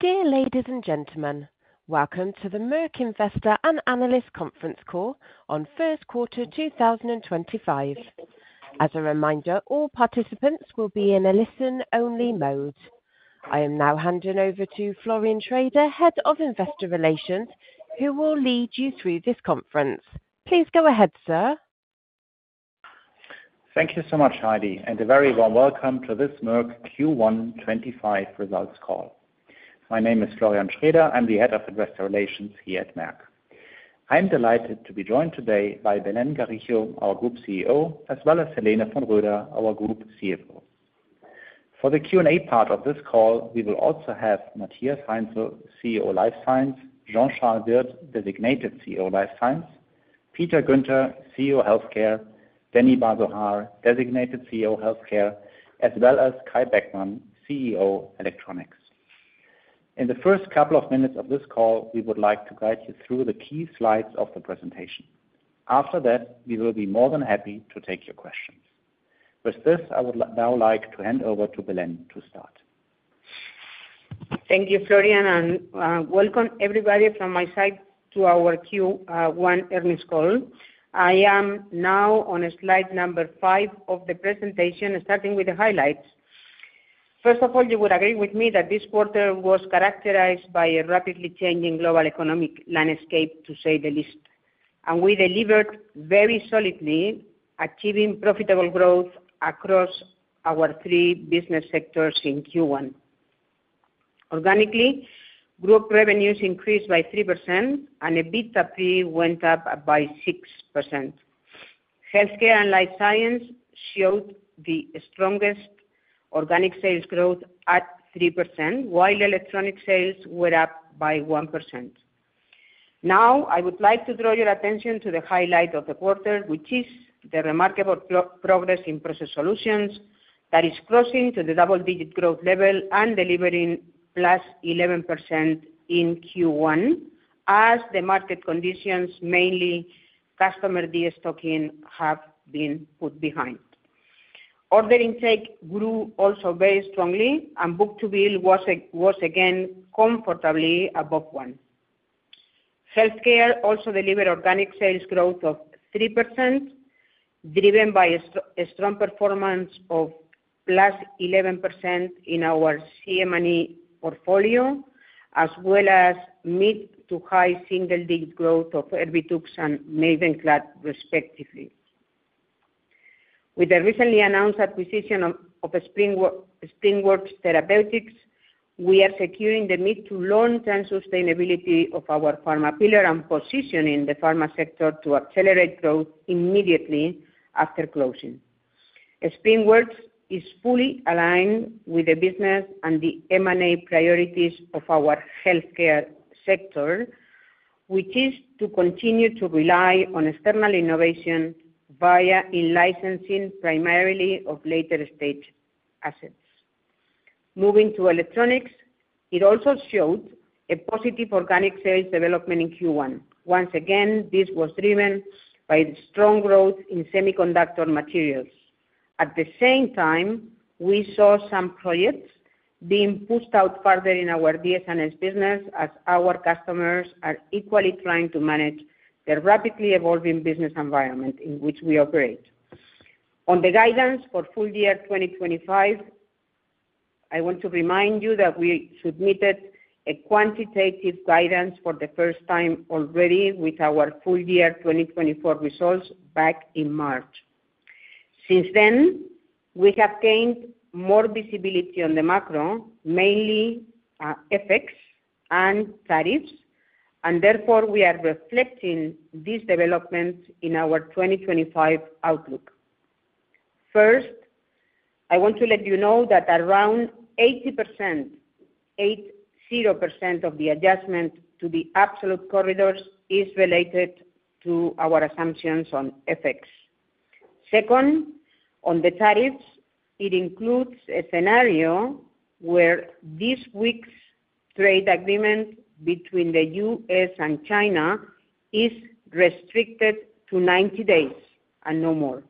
Okay, ladies and gentlemen, welcome to the Merck Investor and Analyst Conference Call on First Quarter 2025. As a reminder, all participants will be in a listen-only mode. I am now handing over to Florian Schraeder, Head of Investor Relations, who will lead you through this conference. Please go ahead, sir. Thank you so much, Heidi, and a very warm welcome to this Merck Q1 2025 results call. My name is Florian Schraeder. I'm the Head of Investor Relations here at Merck. I'm delighted to be joined today by Belén Garijo, our Group CEO, as well as Helene von Roeder, our Group CFO. For the Q&A part of this call, we will also have Matthias Heinzel, CEO Life Science; Jean-Charles Wirth, Designated CEO Life Science; Peter Guenter, CEO Healthcare; Danny Bar-Zohar, Designated CEO Healthcare; as well as Kai Beckmann, CEO Electronics. In the first couple of minutes of this call, we would like to guide you through the key slides of the presentation. After that, we will be more than happy to take your questions. With this, I would now like to hand over to Belén to start. Thank you, Florian, and welcome everybody from my side to our Q1 earnings call. I am now on slide number five of the presentation, starting with the highlights. First of all, you would agree with me that this quarter was characterized by a rapidly changing global economic landscape, to say the least. We delivered very solidly, achieving profitable growth across our three business sectors in Q1. Organically, group revenues increased by 3%, and EBITDA went up by 6%. Healthcare and life science showed the strongest organic sales growth at 3%, while electronic sales were up by 1%. Now, I would like to draw your attention to the highlight of the quarter, which is the remarkable progress in process solutions that is closing to the double-digit growth level and delivering plus 11% in Q1, as the market conditions, mainly customer de-stocking, have been put behind. Order intake grew also very strongly, and book-to-bill was again comfortably above one. Healthcare also delivered organic sales growth of 3%, driven by a strong performance of plus 11% in our CM&E portfolio, as well as mid to high single-digit growth of Erbitux and Mavenclad, respectively. With the recently announced acquisition of SpringWorks Therapeutics, we are securing the mid to long-term sustainability of our pharma pillar and positioning the pharma sector to accelerate growth immediately after closing. SpringWorks is fully aligned with the business and the M&A priorities of our healthcare sector, which is to continue to rely on external innovation via in-licensing primarily of later-stage assets. Moving to electronics, it also showed a positive organic sales development in Q1. Once again, this was driven by the strong growth in semiconductor materials. At the same time, we saw some projects being pushed out further in our DS&S business, as our customers are equally trying to manage the rapidly evolving business environment in which we operate. On the guidance for full year 2025, I want to remind you that we submitted a quantitative guidance for the first time already with our full year 2024 results back in March. Since then, we have gained more visibility on the macro, mainly effects and tariffs, and therefore we are reflecting this development in our 2025 outlook. First, I want to let you know that around 80% of the adjustment to the absolute corridors is related to our assumptions on effects. Second, on the tariffs, it includes a scenario where this week's trade agreement between the U.S. and China is restricted to 90 days and no more.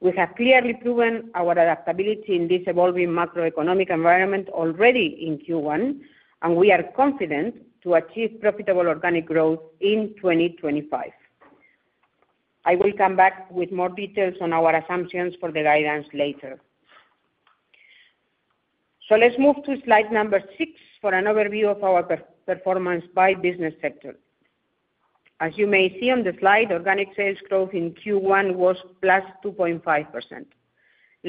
We have clearly proven our adaptability in this evolving macroeconomic environment already in Q1, and we are confident to achieve profitable organic growth in 2025. I will come back with more details on our assumptions for the guidance later. Let's move to slide number six for an overview of our performance by business sector. As you may see on the slide, organic sales growth in Q1 was +2.5%.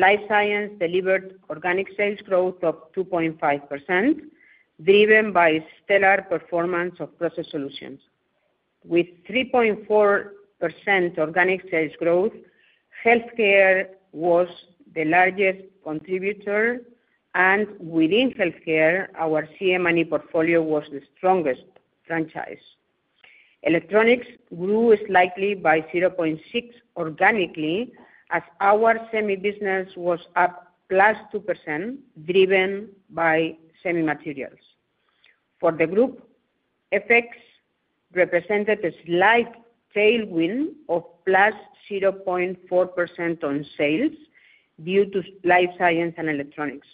Life Science delivered organic sales growth of 2.5%, driven by stellar performance of Process Solutions. With 3.4% organic sales growth, Healthcare was the largest contributor, and within Healthcare, our CM&E portfolio was the strongest franchise. Electronics grew slightly by 0.6% organically, as our semi-business was up +2%, driven by semi-materials. For the group, effects represented a slight tailwind of +0.4% on sales due to Life Science and Electronics,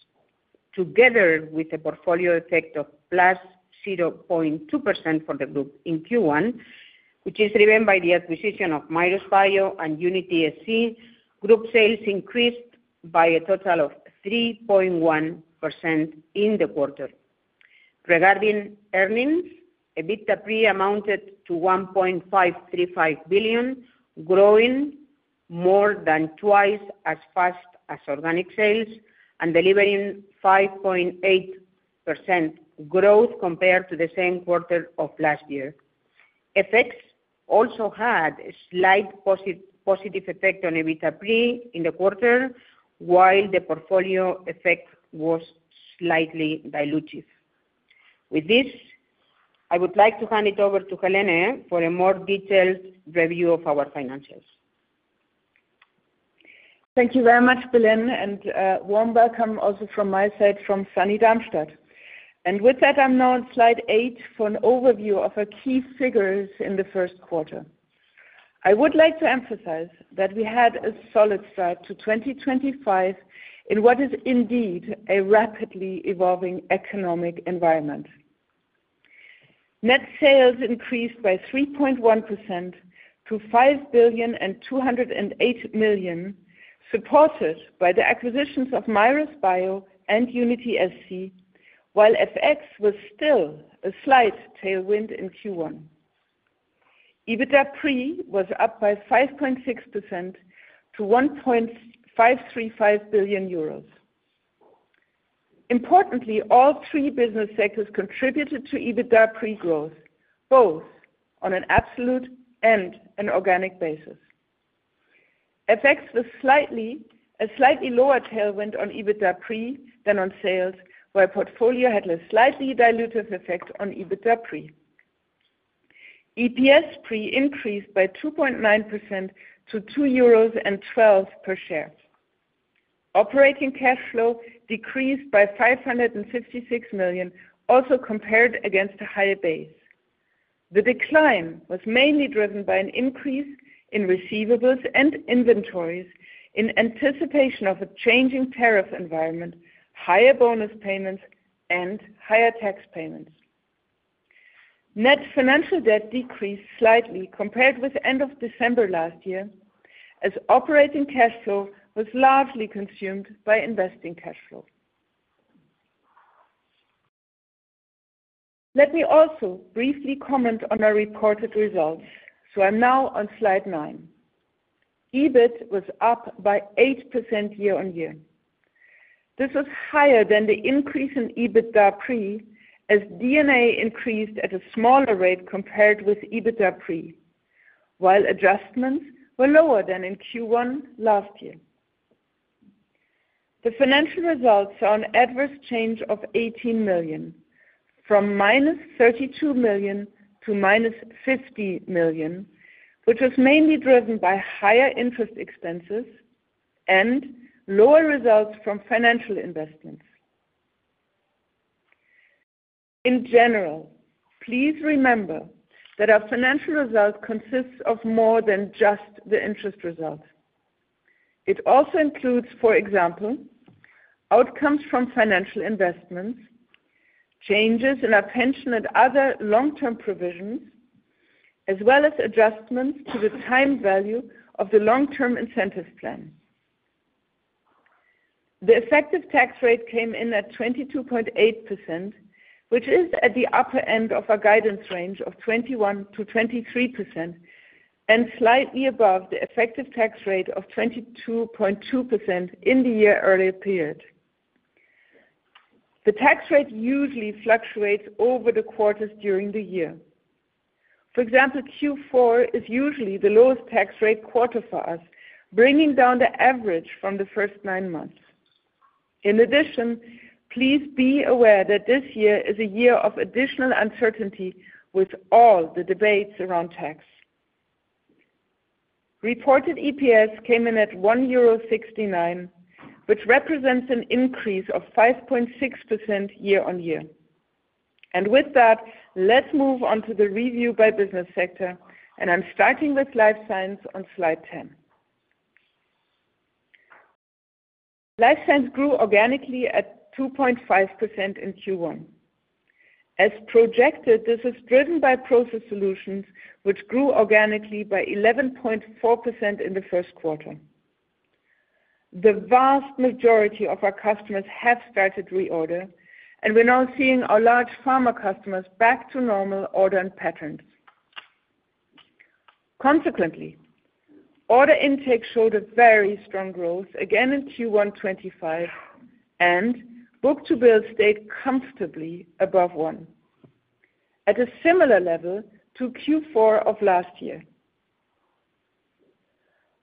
together with a portfolio effect of +0.2% for the group in Q1, which is driven by the acquisition of Mirus Bio and Unity SC. Group sales increased by a total of 3.1% in the quarter. Regarding earnings, EBITDA pre amounted to 1.535 billion, growing more than twice as fast as organic sales and delivering 5.8% growth compared to the same quarter of last year. Effects also had a slight positive effect on EBITDA pre in the quarter, while the portfolio effect was slightly dilutive. With this, I would like to hand it over to Helene for a more detailed review of our financials. Thank you very much, Belén, and warm welcome also from my side from sunny Darmstadt. With that, I am now on slide eight for an overview of our key figures in the first quarter. I would like to emphasize that we had a solid start to 2025 in what is indeed a rapidly evolving economic environment. Net sales increased by 3.1% to 5.208 billion, supported by the acquisitions of Mirus Bio and Unity SC, while effects was still a slight tailwind in Q1. EBITDA pre was up by 5.6% to EUR 1.535 billion. Importantly, all three business sectors contributed to EBITDA pre growth, both on an absolute and an organic basis. Effects was a slightly lower tailwind on EBITDA pre than on sales, while portfolio had a slightly dilutive effect on EBITDA pre. EPS increased by 2.9% to 2.12 euros per share. Operating cash flow decreased by 556 million, also compared against a higher base. The decline was mainly driven by an increase in receivables and inventories in anticipation of a changing tariff environment, higher bonus payments, and higher tax payments. Net financial debt decreased slightly compared with the end of December last year, as operating cash flow was largely consumed by investing cash flow. Let me also briefly comment on our reported results. I am now on slide nine. EBIT was up by 8% year on year. This was higher than the increase in EBITDA as DNA increased at a smaller rate compared with EBITDA pre, while adjustments were lower than in Q1 last year. The financial results saw an adverse change of 18 million, from minus 32 million to minus 50 million, which was mainly driven by higher interest expenses and lower results from financial investments. In general, please remember that our financial result consists of more than just the interest result. It also includes, for example, outcomes from financial investments, changes in our pension and other long-term provisions, as well as adjustments to the time value of the long-term incentive plan. The effective tax rate came in at 22.8%, which is at the upper end of our guidance range of 21-23%, and slightly above the effective tax rate of 22.2% in the year earlier period. The tax rate usually fluctuates over the quarters during the year. For example, Q4 is usually the lowest tax rate quarter for us, bringing down the average from the first nine months. In addition, please be aware that this year is a year of additional uncertainty with all the debates around tax. Reported EPS came in at 1.69 euro, which represents an increase of 5.6% year on year. With that, let's move on to the review by business sector. I'm starting with Life Science on slide 10. Life Science grew organically at 2.5% in Q1. As projected, this is driven by Process Solutions, which grew organically by 11.4% in the first quarter. The vast majority of our customers have started to reorder, and we're now seeing our large pharma customers back to normal order and patterns. Consequently, order intake showed very strong growth again in Q1 2025, and book-to-bill stayed comfortably above one at a similar level to Q4 of last year.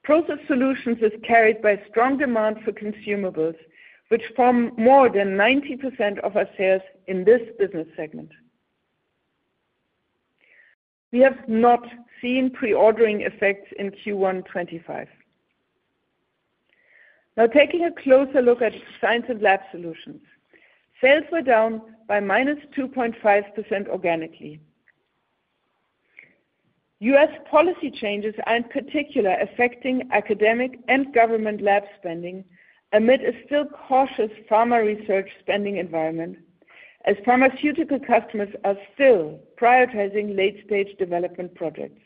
Process Solutions are carried by strong demand for consumables, which form more than 90% of our sales in this business segment. We have not seen pre-ordering effects in Q1 2025. Now, taking a closer look at Science and Lab Solutions, sales were down by -2.5% organically. U.S. policy changes are in particular affecting academic and government lab spending amid a still cautious pharma research spending environment, as pharmaceutical customers are still prioritizing late-stage development projects.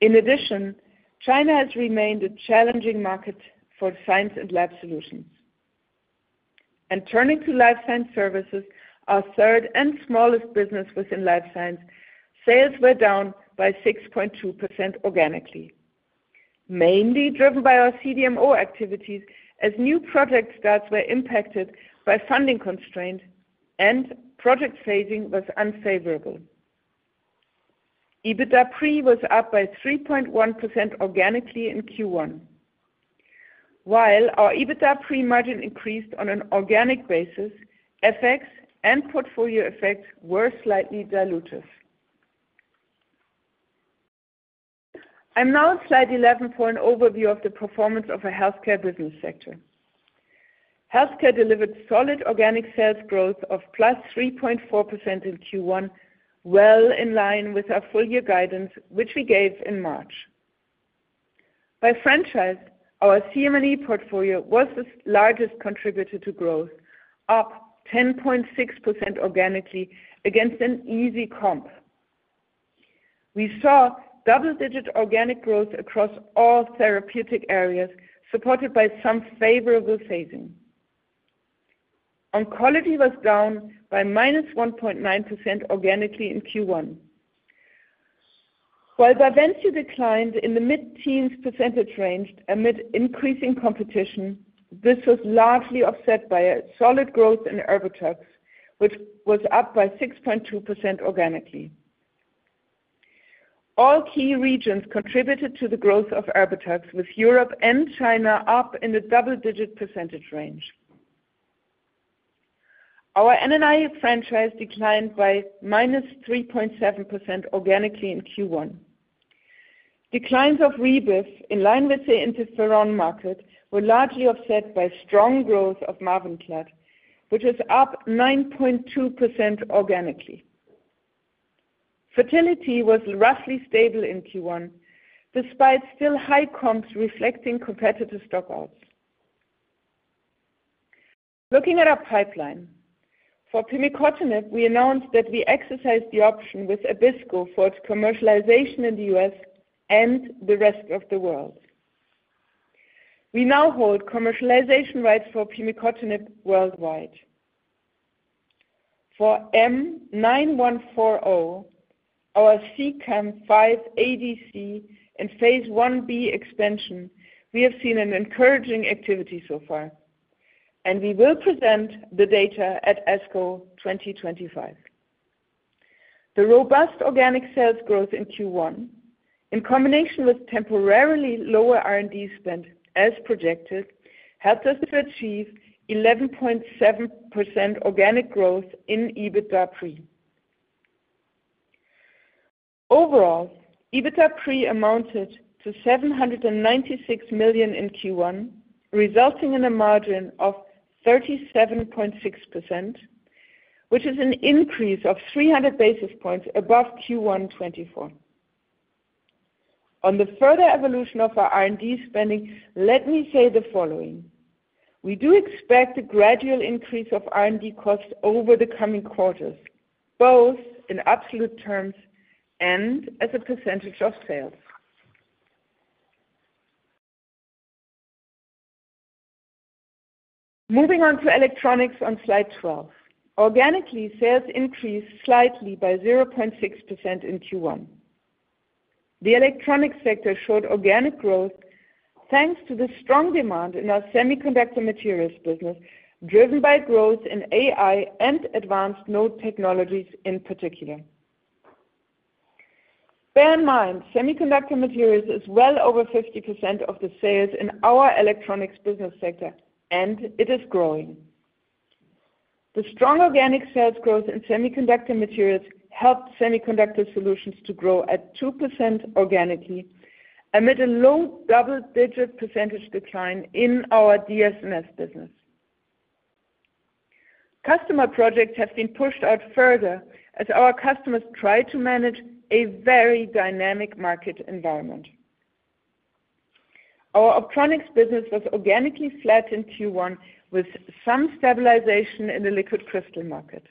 In addition, China has remained a challenging market for Science and Lab Solutions. Turning to Life Science Services, our third and smallest business within Life Science, sales were down by 6.2% organically, mainly driven by our CDMO activities, as new project starts were impacted by funding constraints and project phasing was unfavorable. EBITDA was up by 3.1% organically in Q1, while our EBITDA margin increased on an organic basis. Currency and portfolio effects were slightly dilutive. I am now on slide 11 for an overview of the performance of our Healthcare business sector. Healthcare delivered solid organic sales growth of +3.4% in Q1, well in line with our full year guidance, which we gave in March. By franchise, our CM&E portfolio was the largest contributor to growth, up 10.6% organically against an easy comp. We saw double-digit organic growth across all therapeutic areas, supported by some favorable phasing. Oncology was down by -1.9% organically in Q1. While Bavencio declined in the mid-teens percentage range amid increasing competition, this was largely offset by a solid growth in Erbitux, which was up by 6.2% organically. All key regions contributed to the growth of Erbitux, with Europe and China up in the double-digit percentage range. Our NNI franchise declined by -3.7% organically in Q1. Declines of Rebif in line with the interferon market were largely offset by strong growth of Mavenclad, which is up 9.2% organically. Fertility was roughly stable in Q1, despite still high comps reflecting competitive stockouts. Looking at our pipeline for Pimecotinib, we announced that we exercised the option with Abisko for its commercialization in the US and the rest of the world. We now hold commercialization rights for Pimecotinib worldwide. For M9140, our CEACAM-5 ADC in phase 1B expansion, we have seen encouraging activity so far, and we will present the data at ESCO 2025. The robust organic sales growth in Q1, in combination with temporarily lower R&D spend as projected, helped us to achieve 11.7% organic growth in EBITDA pre. Overall, EBITDA pre amounted to 796 million in Q1, resulting in a margin of 37.6%, which is an increase of 300 basis points above Q1 2024. On the further evolution of our R&D spending, let me say the following. We do expect a gradual increase of R&D costs over the coming quarters, both in absolute terms and as a percentage of sales. Moving on to electronics on slide 12, organically sales increased slightly by 0.6% in Q1. The electronics sector showed organic growth thanks to the strong demand in our semiconductor materials business, driven by growth in AI and advanced node technologies in particular. Bear in mind, semiconductor materials is well over 50% of the sales in our electronics business sector, and it is growing. The strong organic sales growth in semiconductor materials helped semiconductor solutions to grow at 2% organically amid a low double-digit percentage decline in our DS&S business. Customer projects have been pushed out further as our customers try to manage a very dynamic market environment. Our optronics business was organically flat in Q1 with some stabilization in the liquid crystal market.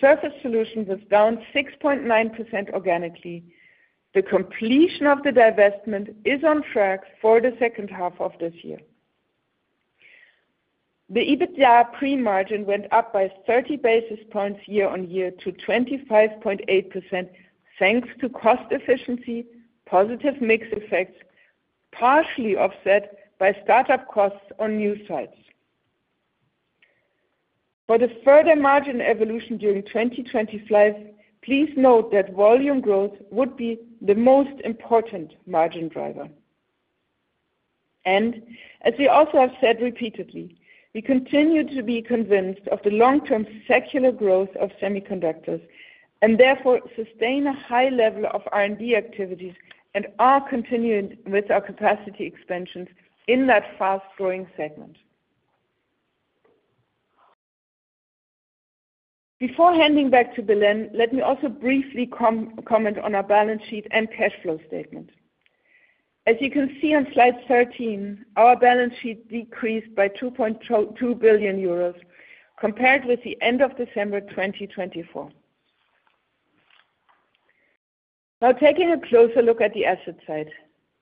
Surface Solutions was down 6.9% organically. The completion of the divestment is on track for the second half of this year. The EBITDA pre-margin went up by 30 basis points year on year to 25.8% thanks to cost efficiency, positive mix effects, partially offset by startup costs on new sites. For the further margin evolution during 2025, please note that volume growth would be the most important margin driver. As we also have said repeatedly, we continue to be convinced of the long-term secular growth of semiconductors and therefore sustain a high level of R&D activities and are continuing with our capacity expansions in that fast-growing segment. Before handing back to Belén, let me also briefly comment on our balance sheet and cash flow statement. As you can see on slide 13, our balance sheet decreased by 2.2 billion euros compared with the end of December 2024. Now, taking a closer look at the asset side,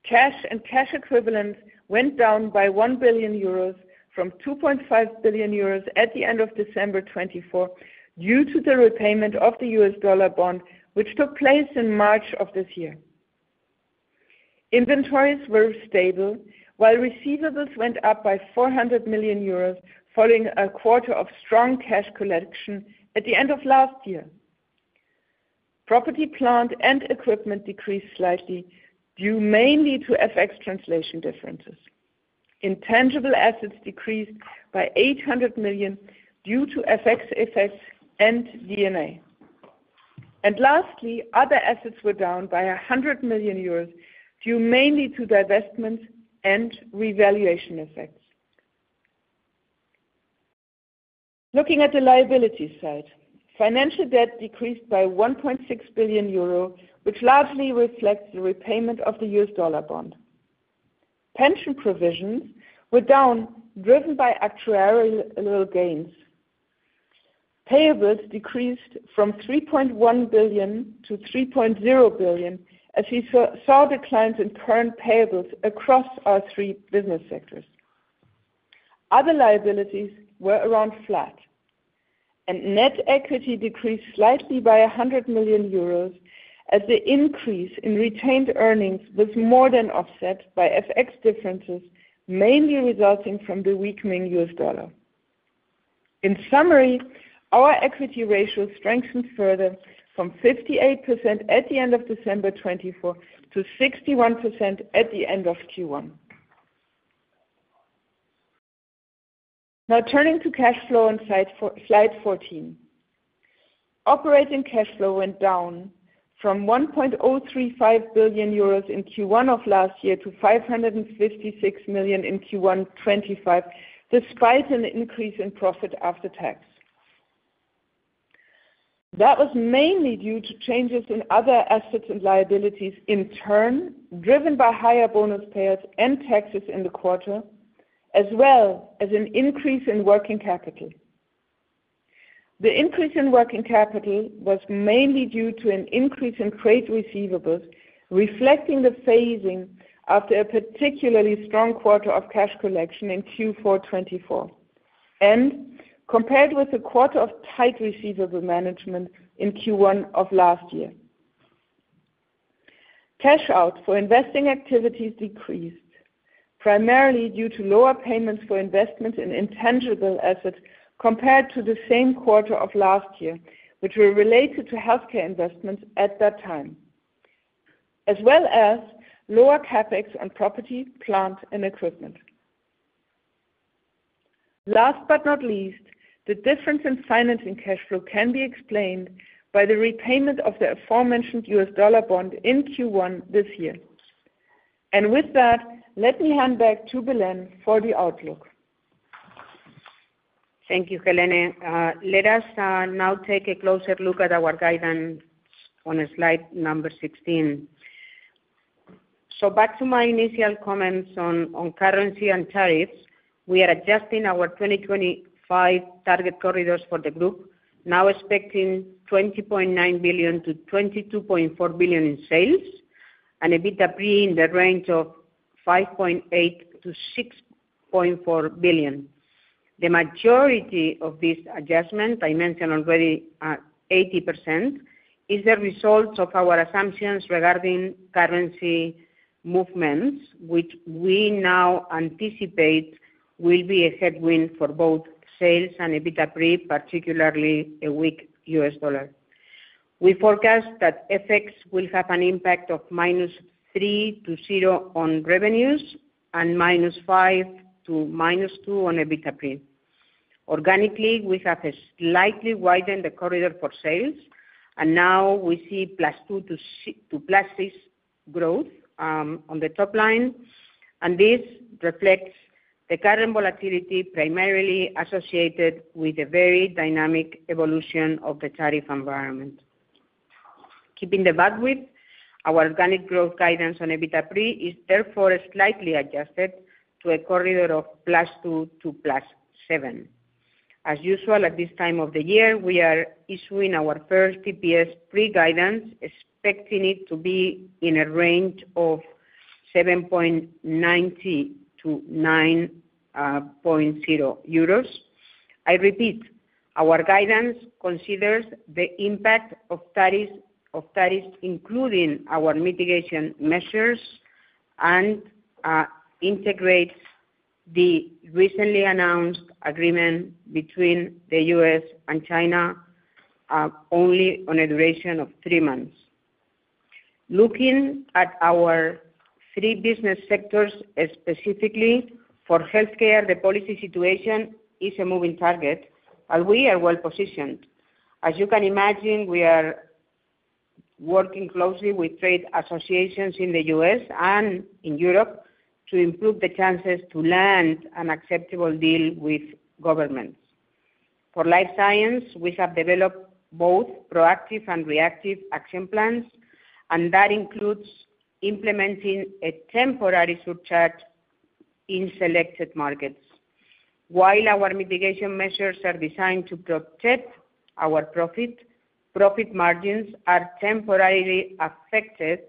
cash and cash equivalents went down by 1 billion euros from 2.5 billion euros at the end of December 2024 due to the repayment of the $US dollar bond, which took place in March of this year. Inventories were stable, while receivables went up by 400 million euros following a quarter of strong cash collection at the end of last year. Property, plant and equipment decreased slightly due mainly to FX translation differences. Intangible assets decreased by 800 million due to FX effects and DNA. Lastly, other assets were down by 100 million euros due mainly to divestments and revaluation effects. Looking at the liability side, financial debt decreased by 1.6 billion euro, which largely reflects the repayment of the $US dollar bond. Pension provisions were down, driven by actuarial gains. Payables decreased from 3.1 billion to 3.0 billion as we saw declines in current payables across our three business sectors. Other liabilities were around flat. Net equity decreased slightly by 100 million euros as the increase in retained earnings was more than offset by FX differences, mainly resulting from the weakening US dollar. In summary, our equity ratio strengthened further from 58% at the end of December 2024 to 61% at the end of Q1. Now, turning to cash flow on slide 14, operating cash flow went down from 1.035 billion euros in Q1 of last year to 556 million in Q1 2025, despite an increase in profit after tax. That was mainly due to changes in other assets and liabilities in turn, driven by higher bonus payouts and taxes in the quarter, as well as an increase in working capital. The increase in working capital was mainly due to an increase in trade receivables, reflecting the phasing after a particularly strong quarter of cash collection in Q4 2024, and compared with a quarter of tight receivable management in Q1 of last year. Cash out for investing activities decreased, primarily due to lower payments for investments in intangible assets compared to the same quarter of last year, which were related to healthcare investments at that time, as well as lower CapEx on property, plant, and equipment. Last but not least, the difference in financing cash flow can be explained by the repayment of the aforementioned $US dollar bond in Q1 this year. With that, let me hand back to Belén for the outlook. Thank you, Helene. Let us now take a closer look at our guidance on slide number 16. Back to my initial comments on currency and tariffs. We are adjusting our 2025 target corridors for the group, now expecting 20.9 billion-22.4 billion in sales and EBITDA pre in the range of 5.8 billion-6.4 billion. The majority of this adjustment, I mentioned already 80%, is the result of our assumptions regarding currency movements, which we now anticipate will be a headwind for both sales and EBITDA pre, particularly a weak US dollar. We forecast that FX will have an impact of -3% to 0% on revenues and -5% to -2% on EBITDA pre. Organically, we have slightly widened the corridor for sales, and now we see +2% to +6% growth on the top line, and this reflects the current volatility primarily associated with the very dynamic evolution of the tariff environment. Keeping the bandwidth, our organic growth guidance on EBITDA pre is therefore slightly adjusted to a corridor of +2% to +7%. As usual at this time of the year, we are issuing our first TPS pre-guidance, expecting it to be in a range of 7.90-9.0 euros. I repeat, our guidance considers the impact of tariffs, including our mitigation measures, and integrates the recently announced agreement between the U.S. and China only on a duration of three months. Looking at our three business sectors, specifically for healthcare, the policy situation is a moving target, and we are well positioned. As you can imagine, we are working closely with trade associations in the U.S. and in Europe to improve the chances to land an acceptable deal with governments. For Life Science, we have developed both proactive and reactive action plans, and that includes implementing a temporary surcharge in selected markets. While our mitigation measures are designed to protect our profit, profit margins are temporarily affected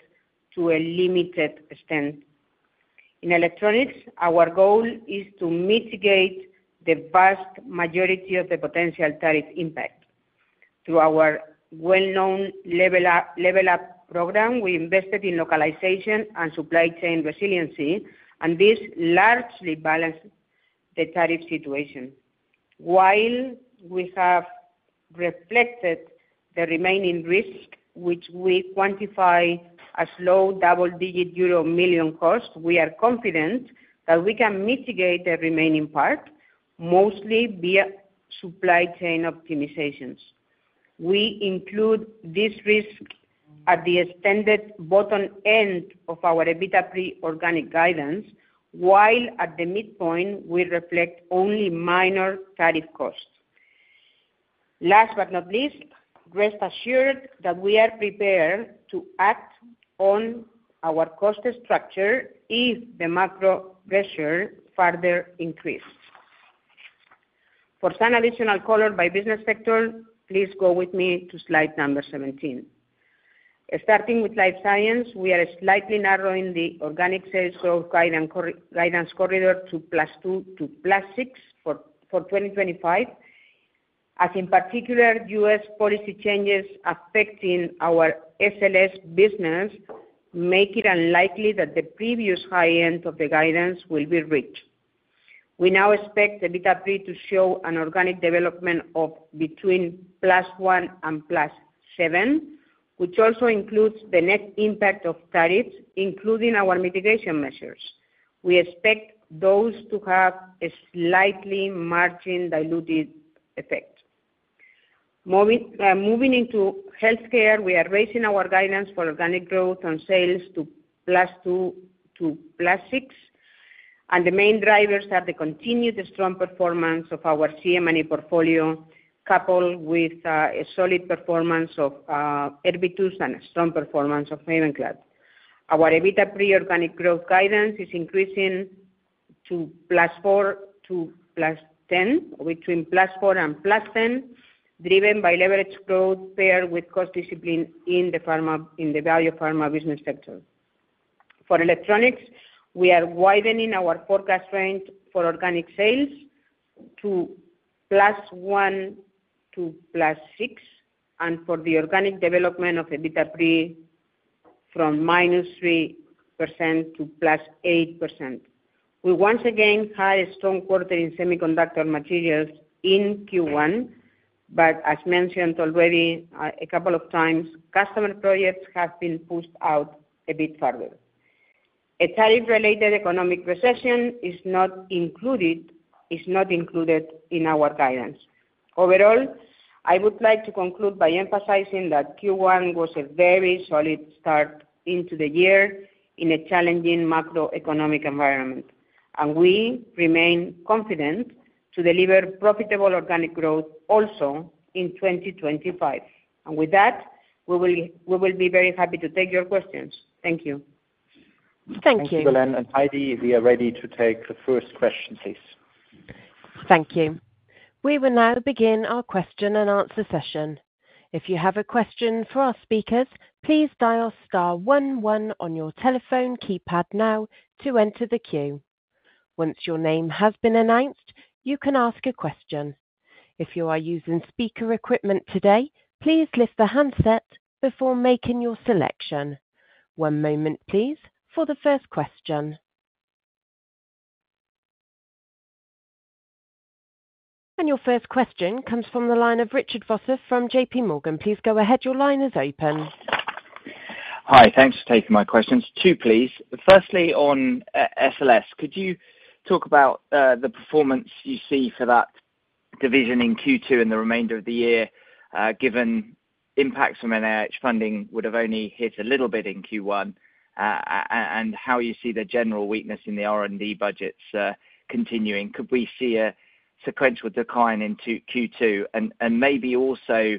to a limited extent. In Electronics, our goal is to mitigate the vast majority of the potential tariff impact. Through our well-known Level Up program, we invested in localization and supply chain resiliency, and this largely balances the tariff situation. While we have reflected the remaining risk, which we quantify as low double-digit euro million costs, we are confident that we can mitigate the remaining part, mostly via supply chain optimizations. We include this risk at the extended bottom end of our EBITDA pre-organic guidance, while at the midpoint, we reflect only minor tariff costs. Last but not least, rest assured that we are prepared to act on our cost structure if the macro pressure further increases. For some additional color by business sector, please go with me to slide number 17. Starting with Life Science, we are slightly narrowing the organic sales growth guidance corridor to +2% to +6% for 2025, as in particular, U.S. policy changes affecting our SLS business make it unlikely that the previous high end of the guidance will be reached. We now expect EBITDA pre to show an organic development of between +1% and +7%, which also includes the net impact of tariffs, including our mitigation measures. We expect those to have a slightly margin diluted effect. Moving into healthcare, we are raising our guidance for organic growth on sales to +2% to +6%, and the main drivers are the continued strong performance of our CM&E portfolio, coupled with a solid performance of Erbitux and a strong performance of Mavenclad. Our EBITDA pre organic growth guidance is increasing to +4% to +10%, between +4% and +10%, driven by leverage growth paired with cost discipline in the value pharma business sector. For electronics, we are widening our forecast range for organic sales to +1% to +6%, and for the organic development of EBITDA pre from -3% to +8%. We once again had a strong quarter in semiconductor materials in Q1, but as mentioned already a couple of times, customer projects have been pushed out a bit further. A tariff-related economic recession is not included in our guidance. Overall, I would like to conclude by emphasizing that Q1 was a very solid start into the year in a challenging macroeconomic environment, and we remain confident to deliver profitable organic growth also in 2025. With that, we will be very happy to take your questions. Thank you. Thank you. Thank you, Belén and Heidi. We are ready to take the first question, please. Thank you. We will now begin our question and answer session. If you have a question for our speakers, please dial star 11 on your telephone keypad now to enter the queue. Once your name has been announced, you can ask a question. If you are using speaker equipment today, please lift the handset before making your selection. One moment, please, for the first question. Your first question comes from the line of Richard Vosser from JP Morgan. Please go ahead. Your line is open. Hi, thanks for taking my questions. Two, please. Firstly, on SLS, could you talk about the performance you see for that division in Q2 and the remainder of the year, given impacts from NIH funding would have only hit a little bit in Q1, and how you see the general weakness in the R&D budgets continuing? Could we see a sequential decline into Q2? Maybe also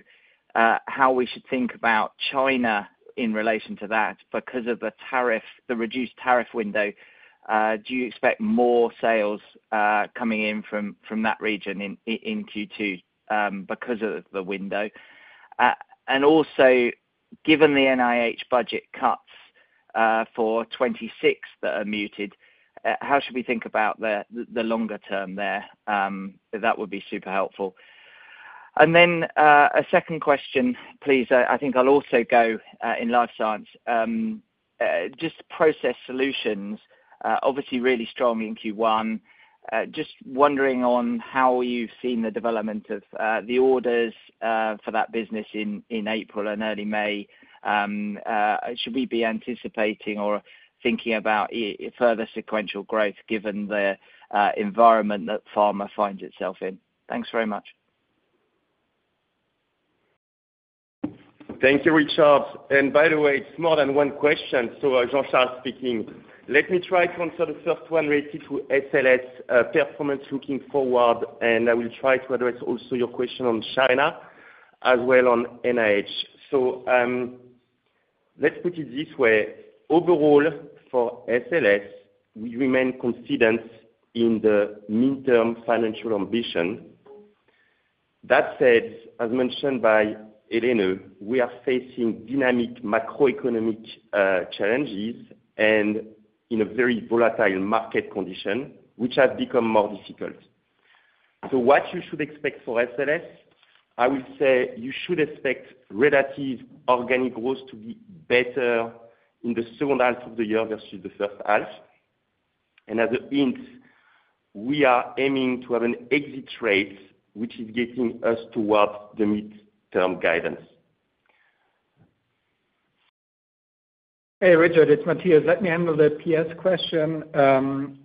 how we should think about China in relation to that because of the reduced tariff window. Do you expect more sales coming in from that region in Q2 because of the window? Also, given the NIH budget cuts for 2026 that are muted, how should we think about the longer term there? That would be super helpful. Then a second question, please. I think I'll also go in life science. Just process solutions, obviously really strong in Q1. Just wondering on how you've seen the development of the orders for that business in April and early May. Should we be anticipating or thinking about further sequential growth given the environment that pharma finds itself in? Thanks very much. Thank you, Richard. And by the way, it's more than one question, so Jean-Charles speaking. Let me try to answer the first one related to SLS performance looking forward, and I will try to address also your question on China as well on NIH. Let's put it this way. Overall, for SLS, we remain confident in the midterm financial ambition. That said, as mentioned by Helene, we are facing dynamic macroeconomic challenges and in a very volatile market condition, which has become more difficult. What you should expect for SLS, I would say you should expect relative organic growth to be better in the second half of the year versus the first half. As a hint, we are aiming to have an exit rate, which is getting us towards the midterm guidance. Hey, Richard, it's Matthias. Let me handle the PS question.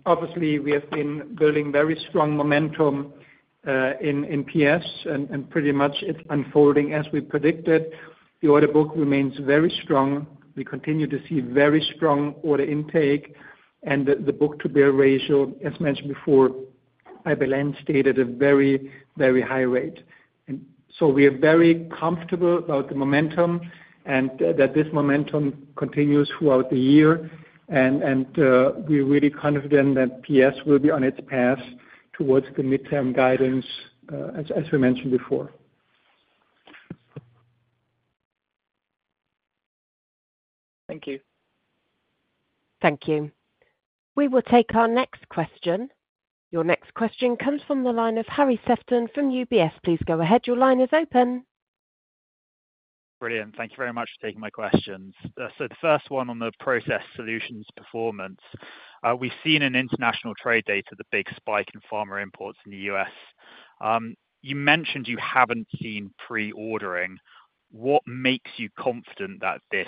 Obviously, we have been building very strong momentum in PS, and pretty much it's unfolding as we predicted. The order book remains very strong. We continue to see very strong order intake, and the book-to-bill ratio, as mentioned before by Belén, stated a very, very high rate. We are very comfortable about the momentum and that this momentum continues throughout the year. We are really confident that PS will be on its path towards the midterm guidance, as we mentioned before. Thank you. Thank you. We will take our next question. Your next question comes from the line of Harry Sefton from UBS. Please go ahead. Your line is open. Brilliant. Thank you very much for taking my questions. The first one on the process solutions performance. We've seen in international trade data the big spike in pharma imports in the U.S. You mentioned you haven't seen pre-ordering. What makes you confident that this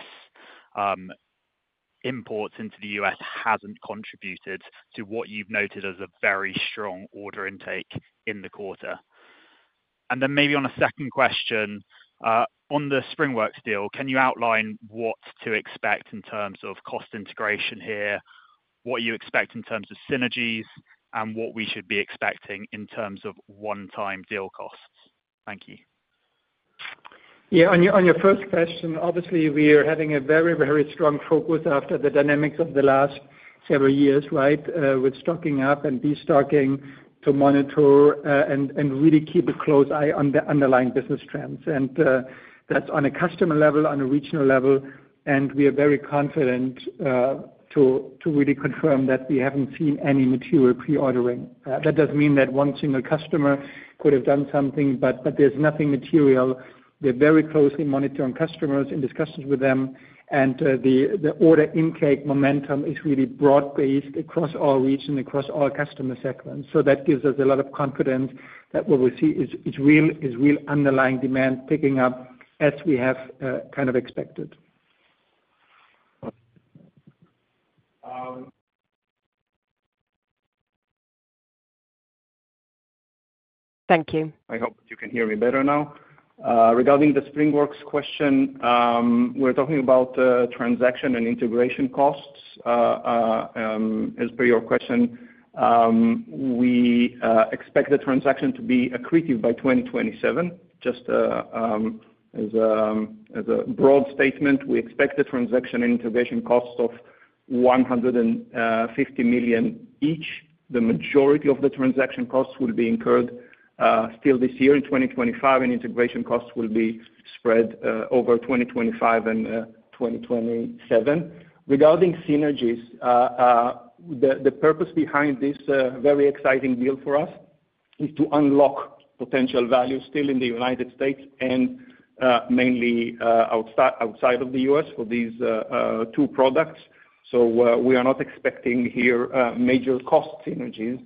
imports into the U.S. hasn't contributed to what you've noted as a very strong order intake in the quarter? Maybe on a second question, on the SpringWorks deal, can you outline what to expect in terms of cost integration here, what you expect in terms of synergies, and what we should be expecting in terms of one-time deal costs? Thank you. Yeah, on your first question, obviously, we are having a very, very strong focus after the dynamics of the last several years, right, with stocking up and destocking to monitor and really keep a close eye on the underlying business trends. That is on a customer level, on a regional level, and we are very confident to really confirm that we have not seen any material pre-ordering. That does not mean that one single customer could have done something, but there is nothing material. We are very closely monitoring customers in discussions with them, and the order intake momentum is really broad-based across our region, across our customer segments. That gives us a lot of confidence that what we see is real underlying demand picking up as we have kind of expected. Thank you. I hope you can hear me better now. Regarding the SpringWorks question, we are talking about transaction and integration costs. As per your question, we expect the transaction to be accretive by 2027. Just as a broad statement, we expect the transaction and integration costs of 150 million each. The majority of the transaction costs will be incurred still this year in 2025, and integration costs will be spread over 2025 and 2027. Regarding synergies, the purpose behind this very exciting deal for us is to unlock potential value still in the United States and mainly outside of the US for these two products. We are not expecting here major cost synergies,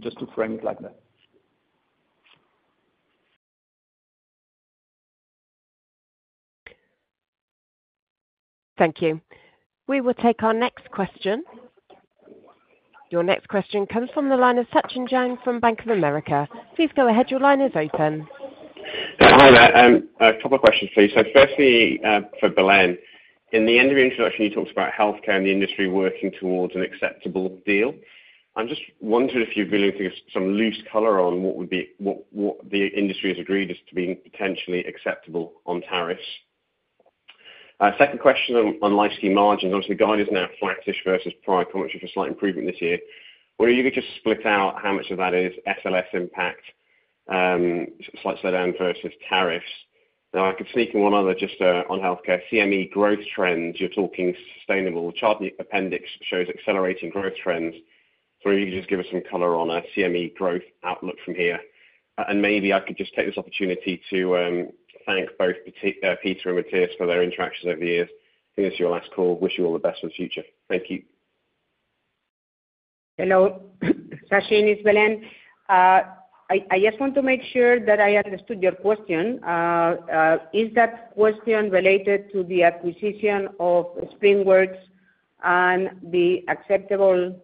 just to frame it like that. Thank you. We will take our next question. Your next question comes from the line of Sachin Jain from Bank of America. Please go ahead. Your line is open. Hi, there. A couple of questions, please. Firstly, for Belén, in the end of your introduction, you talked about healthcare and the industry working towards an acceptable deal. I'm just wondering if you're willing to give some loose color on what the industry has agreed as to being potentially acceptable on tariffs. Second question on Life Science margins. Obviously, the guidance now is flatish versus prior commentary for slight improvement this year. Would you be able to just split out how much of that is SLS impact, slight slowdown versus tariffs? Now, I could sneak in one other just on healthcare. CM&E growth trends, you're talking sustainable. Chart appendix shows accelerating growth trends. Maybe you could just give us some color on our CM&E growth outlook from here. Maybe I could just take this opportunity to thank both Peter and Matthias for their interactions over the years. I think this is your last call. Wish you all the best for the future. Thank you. Hello. Sashin, this is Belén. I just want to make sure that I understood your question. Is that question related to the acquisition of SpringWorks and the acceptable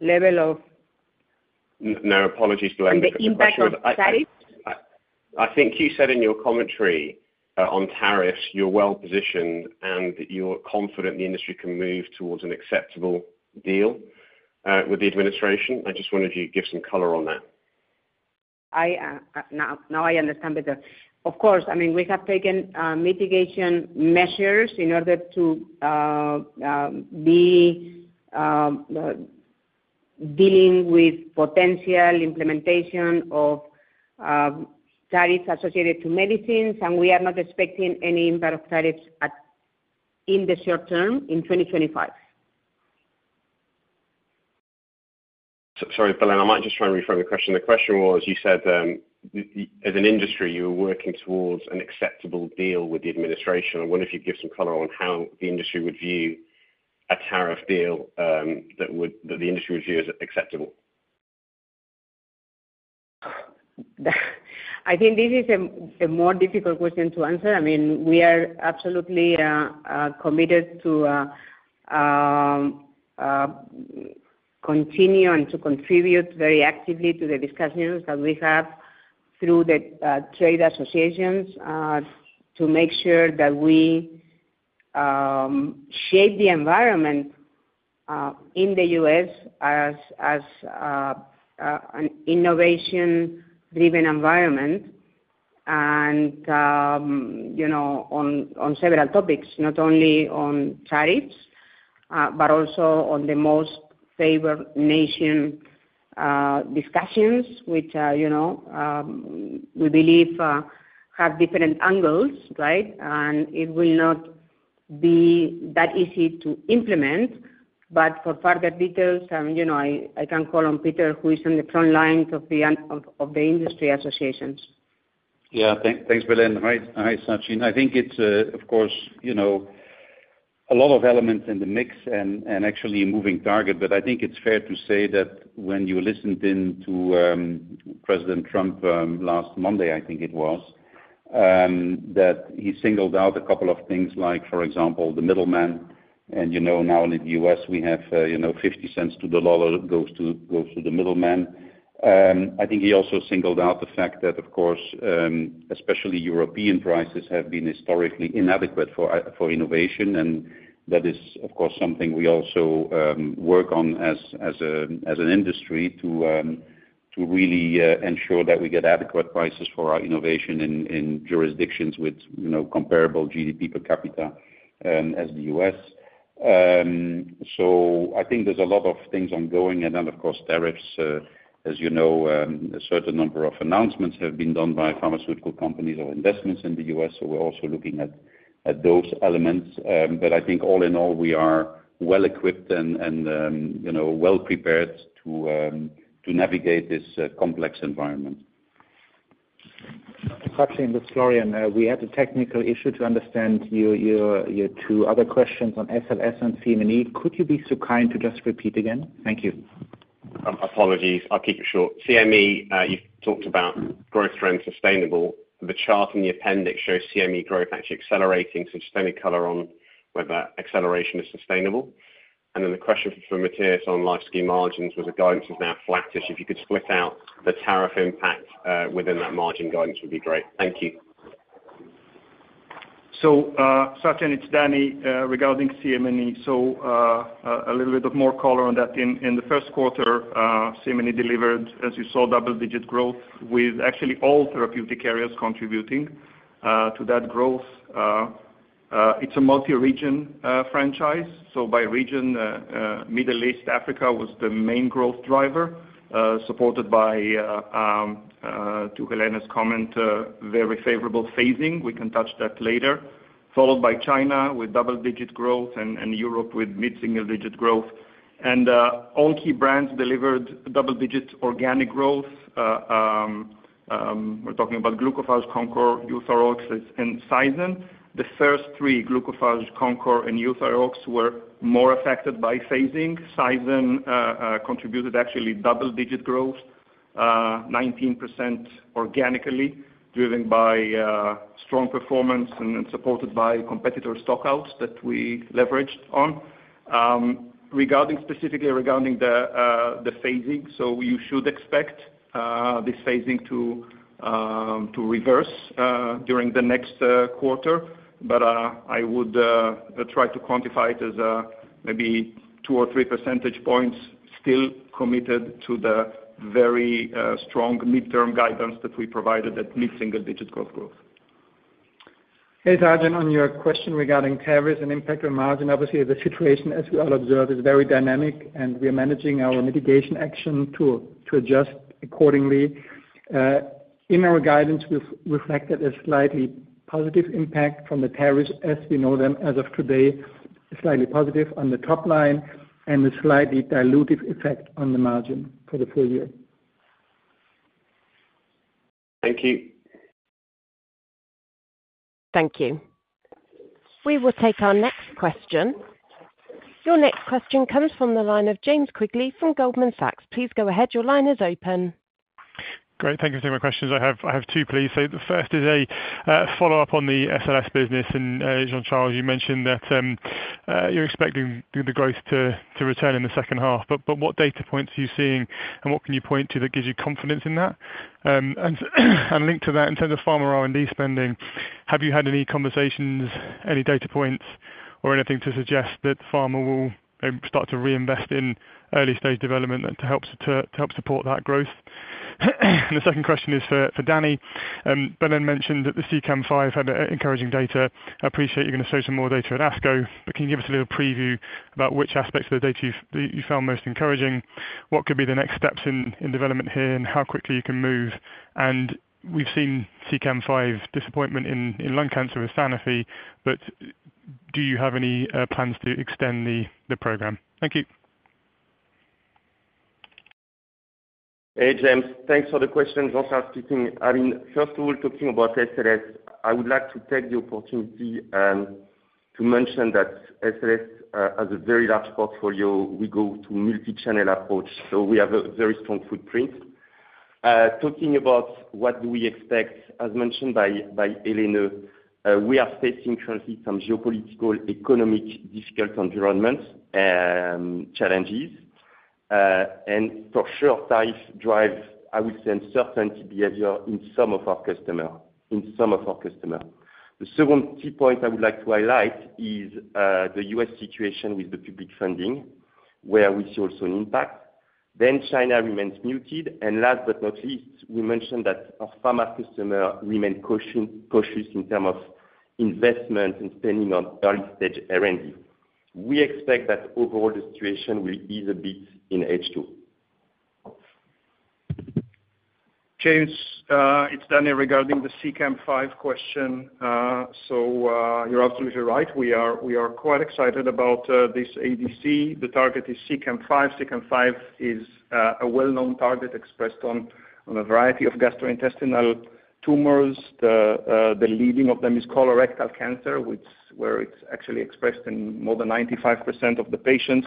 level of—no, apologies for the language—and the impact of tariffs? I think you said in your commentary on tariffs, you are well positioned and you are confident the industry can move towards an acceptable deal with the administration. I just wanted you to give some color on that. Now I understand better. Of course, I mean, we have taken mitigation measures in order to be dealing with potential implementation of tariffs associated to medicines, and we are not expecting any impact of tariffs in the short term in 2025. Sorry, Belén, I might just try and reframe the question. The question was, you said as an industry, you were working towards an acceptable deal with the administration. I wonder if you could give some color on how the industry would view a tariff deal that the industry would view as acceptable. I think this is a more difficult question to answer. I mean, we are absolutely committed to continue and to contribute very actively to the discussions that we have through the trade associations to make sure that we shape the environment in the U.S. as an innovation-driven environment and on several topics, not only on tariffs, but also on the most favored nation discussions, which we believe have different angles, right? It will not be that easy to implement. For further details, I can call on Peter, who is on the front lines of the industry associations. Yeah, thanks, Belén. Hi, Sachin. I think it's, of course, a lot of elements in the mix and actually moving target, but I think it's fair to say that when you listened in to President Trump last Monday, I think it was, that he singled out a couple of things like, for example, the middleman. Now in the U.S., we have 50 cents to the dollar goes to the middleman. I think he also singled out the fact that, of course, especially European prices have been historically inadequate for innovation. That is, of course, something we also work on as an industry to really ensure that we get adequate prices for our innovation in jurisdictions with comparable GDP per capita as the U.S. I think there's a lot of things ongoing. Of course, tariffs, as you know, a certain number of announcements have been done by pharmaceutical companies or investments in the U.S. We are also looking at those elements. I think all in all, we are well equipped and well prepared to navigate this complex environment. Sashin, look, sorry, we had a technical issue to understand your two other questions on SLS and CM&E. Could you be so kind to just repeat again? Thank you. Apologies. I'll keep it short. CM&E, you've talked about growth trends, sustainable. The chart in the appendix shows CM&E growth actually accelerating. Just any color on whether acceleration is sustainable. The question for Matthias on Life Science margins was the guidance is now flatish. If you could split out the tariff impact within that margin guidance, would be great. Thank you. Sashin, it's Danny regarding CM&E. A little bit of more color on that. In the first quarter, CM&E delivered, as you saw, double-digit growth with actually all therapeutic areas contributing to that growth. It is a multi-region franchise. By region, Middle East and Africa was the main growth driver, supported by, to Helene's comment, very favorable phasing. We can touch that later. This was followed by China with double-digit growth and Europe with mid-single-digit growth. All key brands delivered double-digit organic growth. We are talking about Glucophage, Concor, Euthyrox, and Cysen. The first three, Glucophage, Concor, and Euthyrox, were more affected by phasing. Cysen contributed actually double-digit growth, 19% organically, driven by strong performance and supported by competitor stockouts that we leveraged on. Regarding specifically the phasing, you should expect this phasing to reverse during the next quarter. I would try to quantify it as maybe two or three percentage points still committed to the very strong midterm guidance that we provided at mid-single-digit growth. Hey, Sashin, on your question regarding tariffs and impact on margin, obviously, the situation, as we all observe, is very dynamic, and we are managing our mitigation action to adjust accordingly. In our guidance, we've reflected a slightly positive impact from the tariffs as we know them as of today, slightly positive on the top line, and a slightly dilutive effect on the margin for the full year. Thank you. Thank you. We will take our next question. Your next question comes from the line of James Quigley from Goldman Sachs. Please go ahead. Your line is open. Great. Thank you for taking my questions. I have two, please. The first is a follow-up on the SLS business. Jean-Charles, you mentioned that you're expecting the growth to return in the second half. What data points are you seeing, and what can you point to that gives you confidence in that? Linked to that, in terms of pharma R&D spending, have you had any conversations, any data points, or anything to suggest that pharma will start to reinvest in early-stage development to help support that growth? The second question is for Danny. Belén mentioned that the CEACAM-5 had encouraging data. I appreciate you're going to show some more data at ASCO, but can you give us a little preview about which aspects of the data you found most encouraging? What could be the next steps in development here and how quickly you can move? We've seen CEACAM-5 disappointment in lung cancer with Sanofi, but do you have any plans to extend the program? Thank you. Hey, James. Thanks for the question. Jean-Charles speaking. I mean, first of all, talking about SLS, I would like to take the opportunity to mention that SLS has a very large portfolio. We go to multi-channel approach. We have a very strong footprint. Talking about what do we expect, as mentioned by Helene, we are facing currently some geopolitical, economic difficult environments, challenges. For sure, tariffs drive, I would say, uncertainty behavior in some of our customers. The second key point I would like to highlight is the U.S. situation with the public funding, where we see also an impact. China remains muted. Last but not least, we mentioned that our pharma customers remain cautious in terms of investment and spending on early-stage R&D. We expect that overall, the situation will ease a bit in H2. James, it is Danny regarding the CEACAM-5 question. You're absolutely right. We are quite excited about this ADC. The target is CEACAM-5. CEACAM-5 is a well-known target expressed on a variety of gastrointestinal tumors. The leading of them is colorectal cancer, where it's actually expressed in more than 95% of the patients.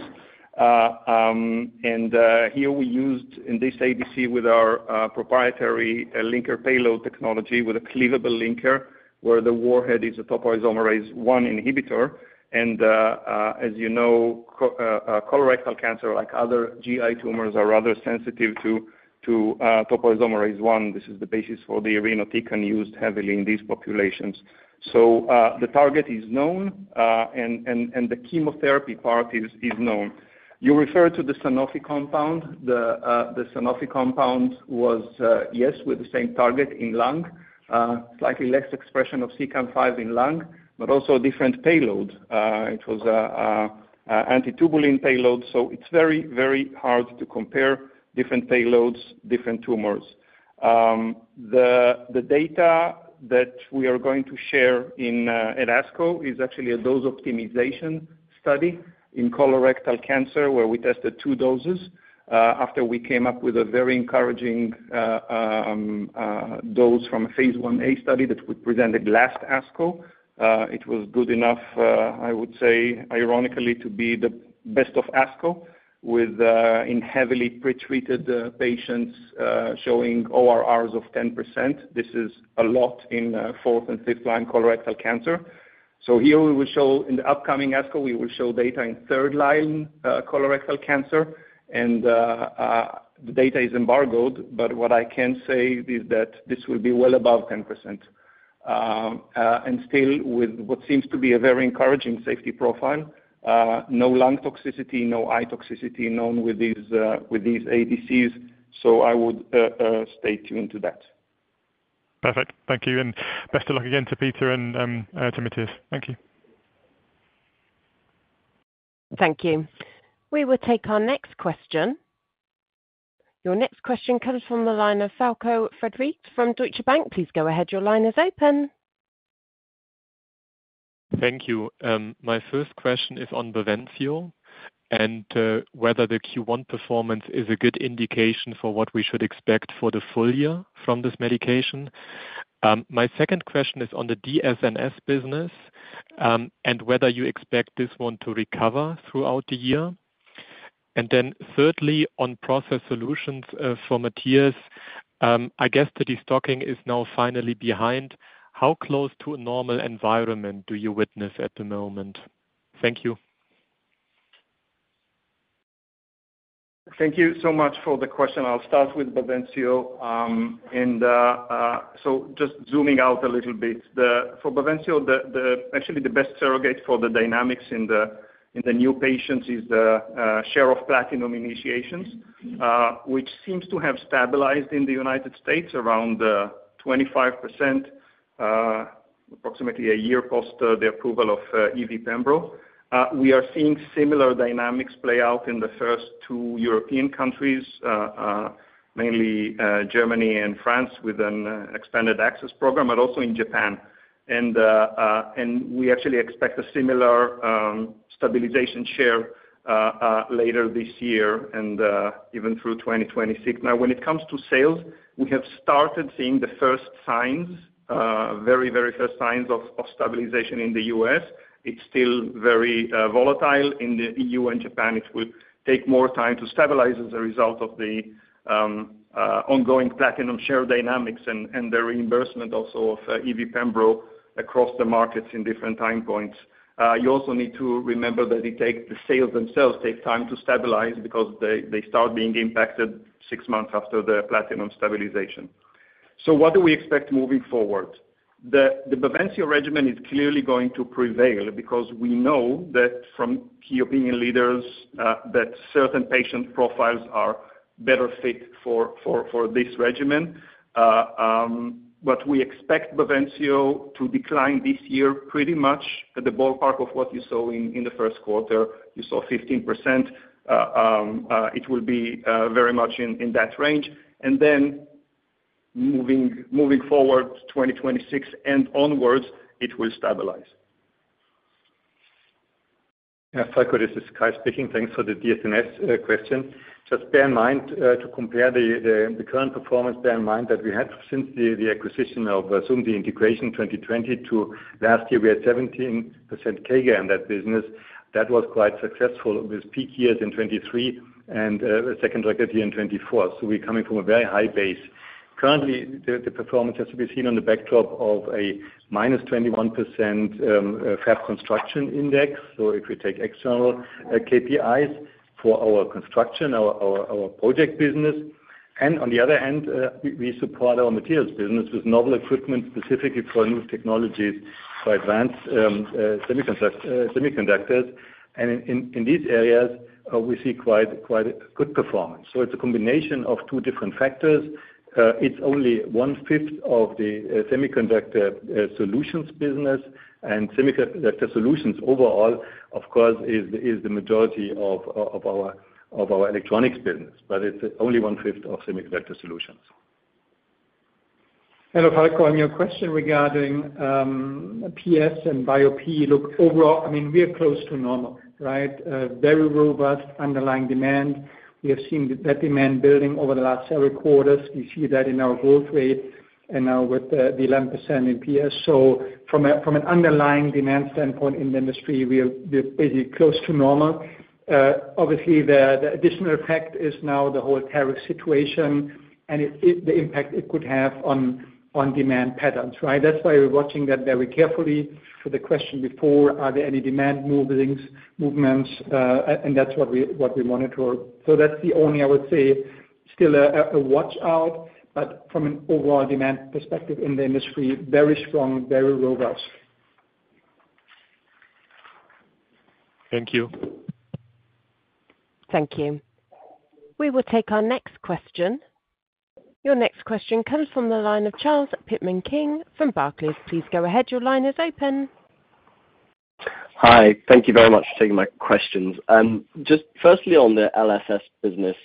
Here, we used in this ADC our proprietary linker payload technology with a cleavable linker, where the warhead is a topoisomerase I inhibitor. As you know, colorectal cancer, like other GI tumors, is rather sensitive to topoisomerase I. This is the basis for the irinotecan used heavily in these populations. The target is known, and the chemotherapy part is known. You referred to the Sanofi compound. The Sanofi compound was, yes, with the same target in lung, slightly less expression of CEACAM-5 in lung, but also a different payload. It was an antitubulin payload. It is very, very hard to compare different payloads, different tumors. The data that we are going to share at ASCO is actually a dose optimization study in colorectal cancer, where we tested two doses after we came up with a very encouraging dose from a phase IA study that we presented last ASCO. It was good enough, I would say, ironically, to be the best of ASCO in heavily pretreated patients showing ORRs of 10%. This is a lot in fourth and fifth-line colorectal cancer. Here, in the upcoming ASCO, we will show data in third-line colorectal cancer. The data is embargoed, but what I can say is that this will be well above 10%. Still, with what seems to be a very encouraging safety profile, no lung toxicity, no eye toxicity known with these ADCs. I would stay tuned to that. Perfect. Thank you. And best of luck again to Peter and to Matthias. Thank you. Thank you. We will take our next question. Your next question comes from the line of Falco Frederick from Deutsche Bank. Please go ahead. Your line is open. Thank you. My first question is on Bavencio and whether the Q1 performance is a good indication for what we should expect for the full year from this medication. My second question is on the DS&S business and whether you expect this one to recover throughout the year. And then thirdly, on process solutions for Matthias, I guess the destocking is now finally behind. How close to a normal environment do you witness at the moment? Thank you. Thank you so much for the question. I'll start with Bavencio. Just zooming out a little bit, for Bavencio, actually, the best surrogate for the dynamics in the new patients is the share of platinum initiations, which seems to have stabilized in the U.S. around 25%, approximately a year post the approval of EVPEMBRO. We are seeing similar dynamics play out in the first two European countries, mainly Germany and France, with an expanded access program, but also in Japan. We actually expect a similar stabilization share later this year and even through 2026. Now, when it comes to sales, we have started seeing the first signs, very, very first signs of stabilization in the U.S. It's still very volatile. In the EU and Japan, it will take more time to stabilize as a result of the ongoing platinum share dynamics and the reimbursement also of EVPEMBRO across the markets in different time points. You also need to remember that the sales themselves take time to stabilize because they start being impacted six months after the platinum stabilization. What do we expect moving forward? The Bavencio regimen is clearly going to prevail because we know that from key opinion leaders that certain patient profiles are better fit for this regimen. We expect Bavencio to decline this year pretty much at the ballpark of what you saw in the first quarter. You saw 15%. It will be very much in that range. Moving forward, 2026 and onwards, it will stabilize. Yeah, Falco, this is Kai speaking. Thanks for the DS&S question. Just bear in mind to compare the current performance, bear in mind that we had since the acquisition of SUMD integration 2020 to last year, we had 17% CAGR in that business. That was quite successful with peak years in 2023 and a second record year in 2024. We are coming from a very high base. Currently, the performance has to be seen on the backdrop of a -21% FAF construction index. If we take external KPIs for our construction, our project business, and on the other hand, we support our materials business with novel equipment specifically for new technologies for advanced semiconductors. In these areas, we see quite good performance. It is a combination of two different factors. It is only one-fifth of the semiconductor solutions business. Semiconductor solutions overall, of course, is the majority of our electronics business, but it is only one-fifth of semiconductor solutions. Hello, Falco. On your question regarding PS and BioPE, look, overall, I mean, we are close to normal, right? Very robust underlying demand. We have seen that demand building over the last several quarters. We see that in our growth rate and now with the 11% in PS. From an underlying demand standpoint in the industry, we're basically close to normal. Obviously, the additional effect is now the whole tariff situation and the impact it could have on demand patterns, right? That's why we're watching that very carefully. For the question before, are there any demand movements? That's what we monitor. That's the only, I would say, still a watch-out. From an overall demand perspective in the industry, very strong, very robust. Thank you. Thank you. We will take our next question. Your next question comes from the line of Charles Pitman King from Barclays. Please go ahead. Your line is open. Hi. Thank you very much for taking my questions. Just firstly, on the LSS business,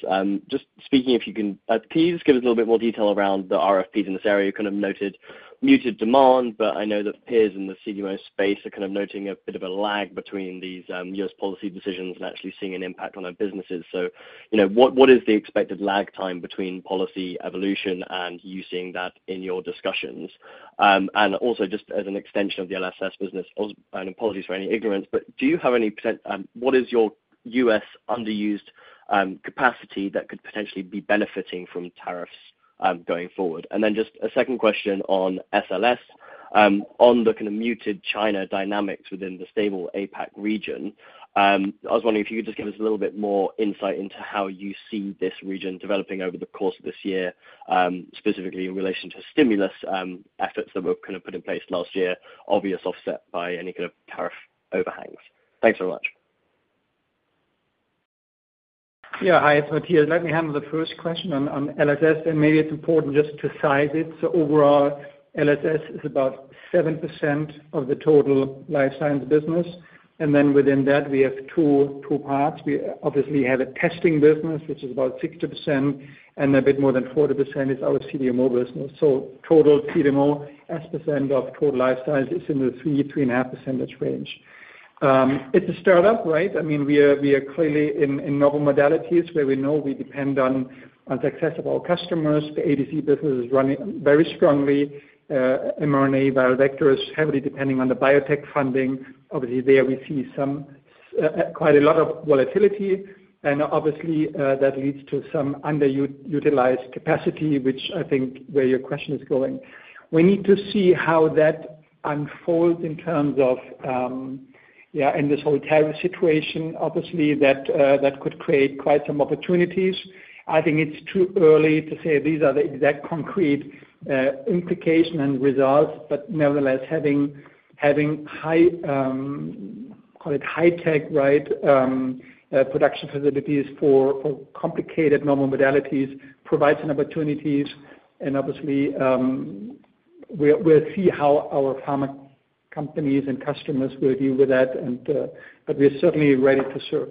just speaking, if you can, please give us a little bit more detail around the RFPs in this area. You kind of noted muted demand, but I know that peers in the CDMO space are kind of noting a bit of a lag between these U.S. policy decisions and actually seeing an impact on our businesses. What is the expected lag time between policy evolution and you seeing that in your discussions? Also, just as an extension of the LSS business, I know, apologies for any ignorance, but do you have any percent? What is your U.S. underused capacity that could potentially be benefiting from tariffs going forward? Then just a second question on SLS. On the kind of muted China dynamics within the stable APAC region, I was wondering if you could just give us a little bit more insight into how you see this region developing over the course of this year, specifically in relation to stimulus efforts that were kind of put in place last year, obvious offset by any kind of tariff overhangs. Thanks very much. Yeah, hi. It's Matthias. Let me handle the first question on LSS. Maybe it's important just to size it. Overall, LSS is about 7% of the total life science business. Within that, we have two parts. We obviously have a testing business, which is about 60%, and a bit more than 40% is our CDMO business. Total CDMO, 7% of total life science is in the 3-3.5% range. It's a startup, right? I mean, we are clearly in novel modalities where we know we depend on the success of our customers. The ADC business is running very strongly. mRNA, BioVector is heavily depending on the biotech funding. Obviously, there we see quite a lot of volatility. Obviously, that leads to some underutilized capacity, which I think where your question is going. We need to see how that unfolds in terms of, yeah, in this whole tariff situation, obviously, that could create quite some opportunities. I think it's too early to say these are the exact concrete implications and results, but nevertheless, having high, call it high-tech, right, production facilities for complicated novel modalities provides an opportunity. Obviously, we'll see how our pharma companies and customers will deal with that. We're certainly ready to serve.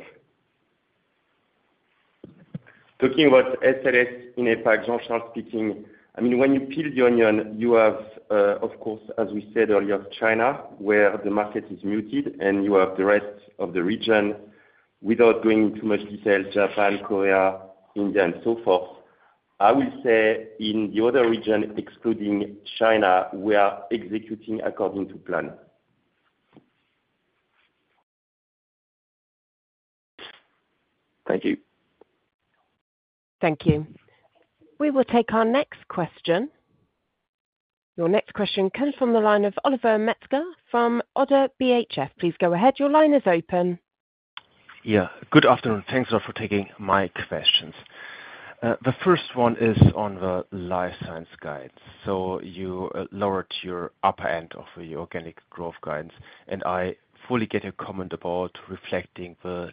Talking about SLS, you know, for example, Charles speaking, I mean, when you peel the onion, you have, of course, as we said earlier, China, where the market is muted, and you have the rest of the region without going into much detail: Japan, Korea, India, and so forth. I will say in the other region, excluding China, we are executing according to plan. Thank you. Thank you. We will take our next question. Your next question comes from the line of Oliver Metzger from Oddo BHF. Please go ahead. Your line is open. Yeah. Good afternoon. Thanks a lot for taking my questions. The first one is on the life science guides. You lowered your upper end of the organic growth guides, and I fully get your comment about reflecting the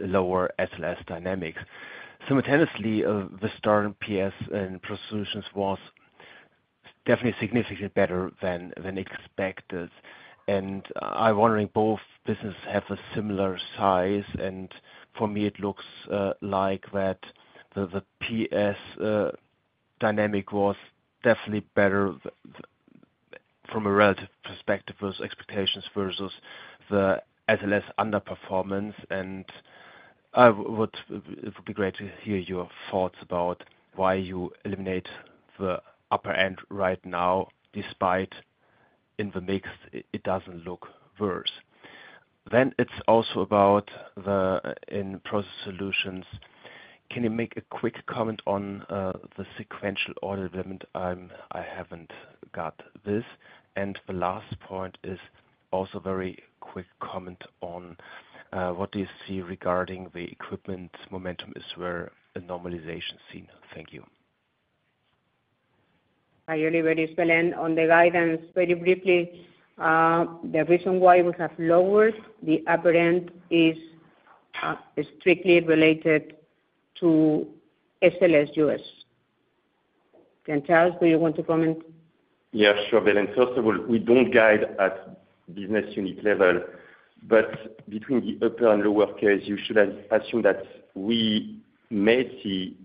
lower SLS dynamics. Simultaneously, the starting PS and procedures was definitely significantly better than expected. I'm wondering, both businesses have a similar size, and for me, it looks like that the PS dynamic was definitely better from a relative perspective versus expectations versus the SLS underperformance. It would be great to hear your thoughts about why you eliminate the upper end right now, despite in the mix, it doesn't look worse. It is also about the in-process solutions. Can you make a quick comment on the sequential order development? I haven't got this. The last point is also a very quick comment on what do you see regarding the equipment momentum is where the normalization is seen. Thank you. Are you ready to fill in on the guidance very briefly? The reason why we have lowered the upper end is strictly related to SLS US. Charles, do you want to comment? Yeah, sure. First of all, we do not guide at business unit level, but between the upper and lower case, you should assume that we may see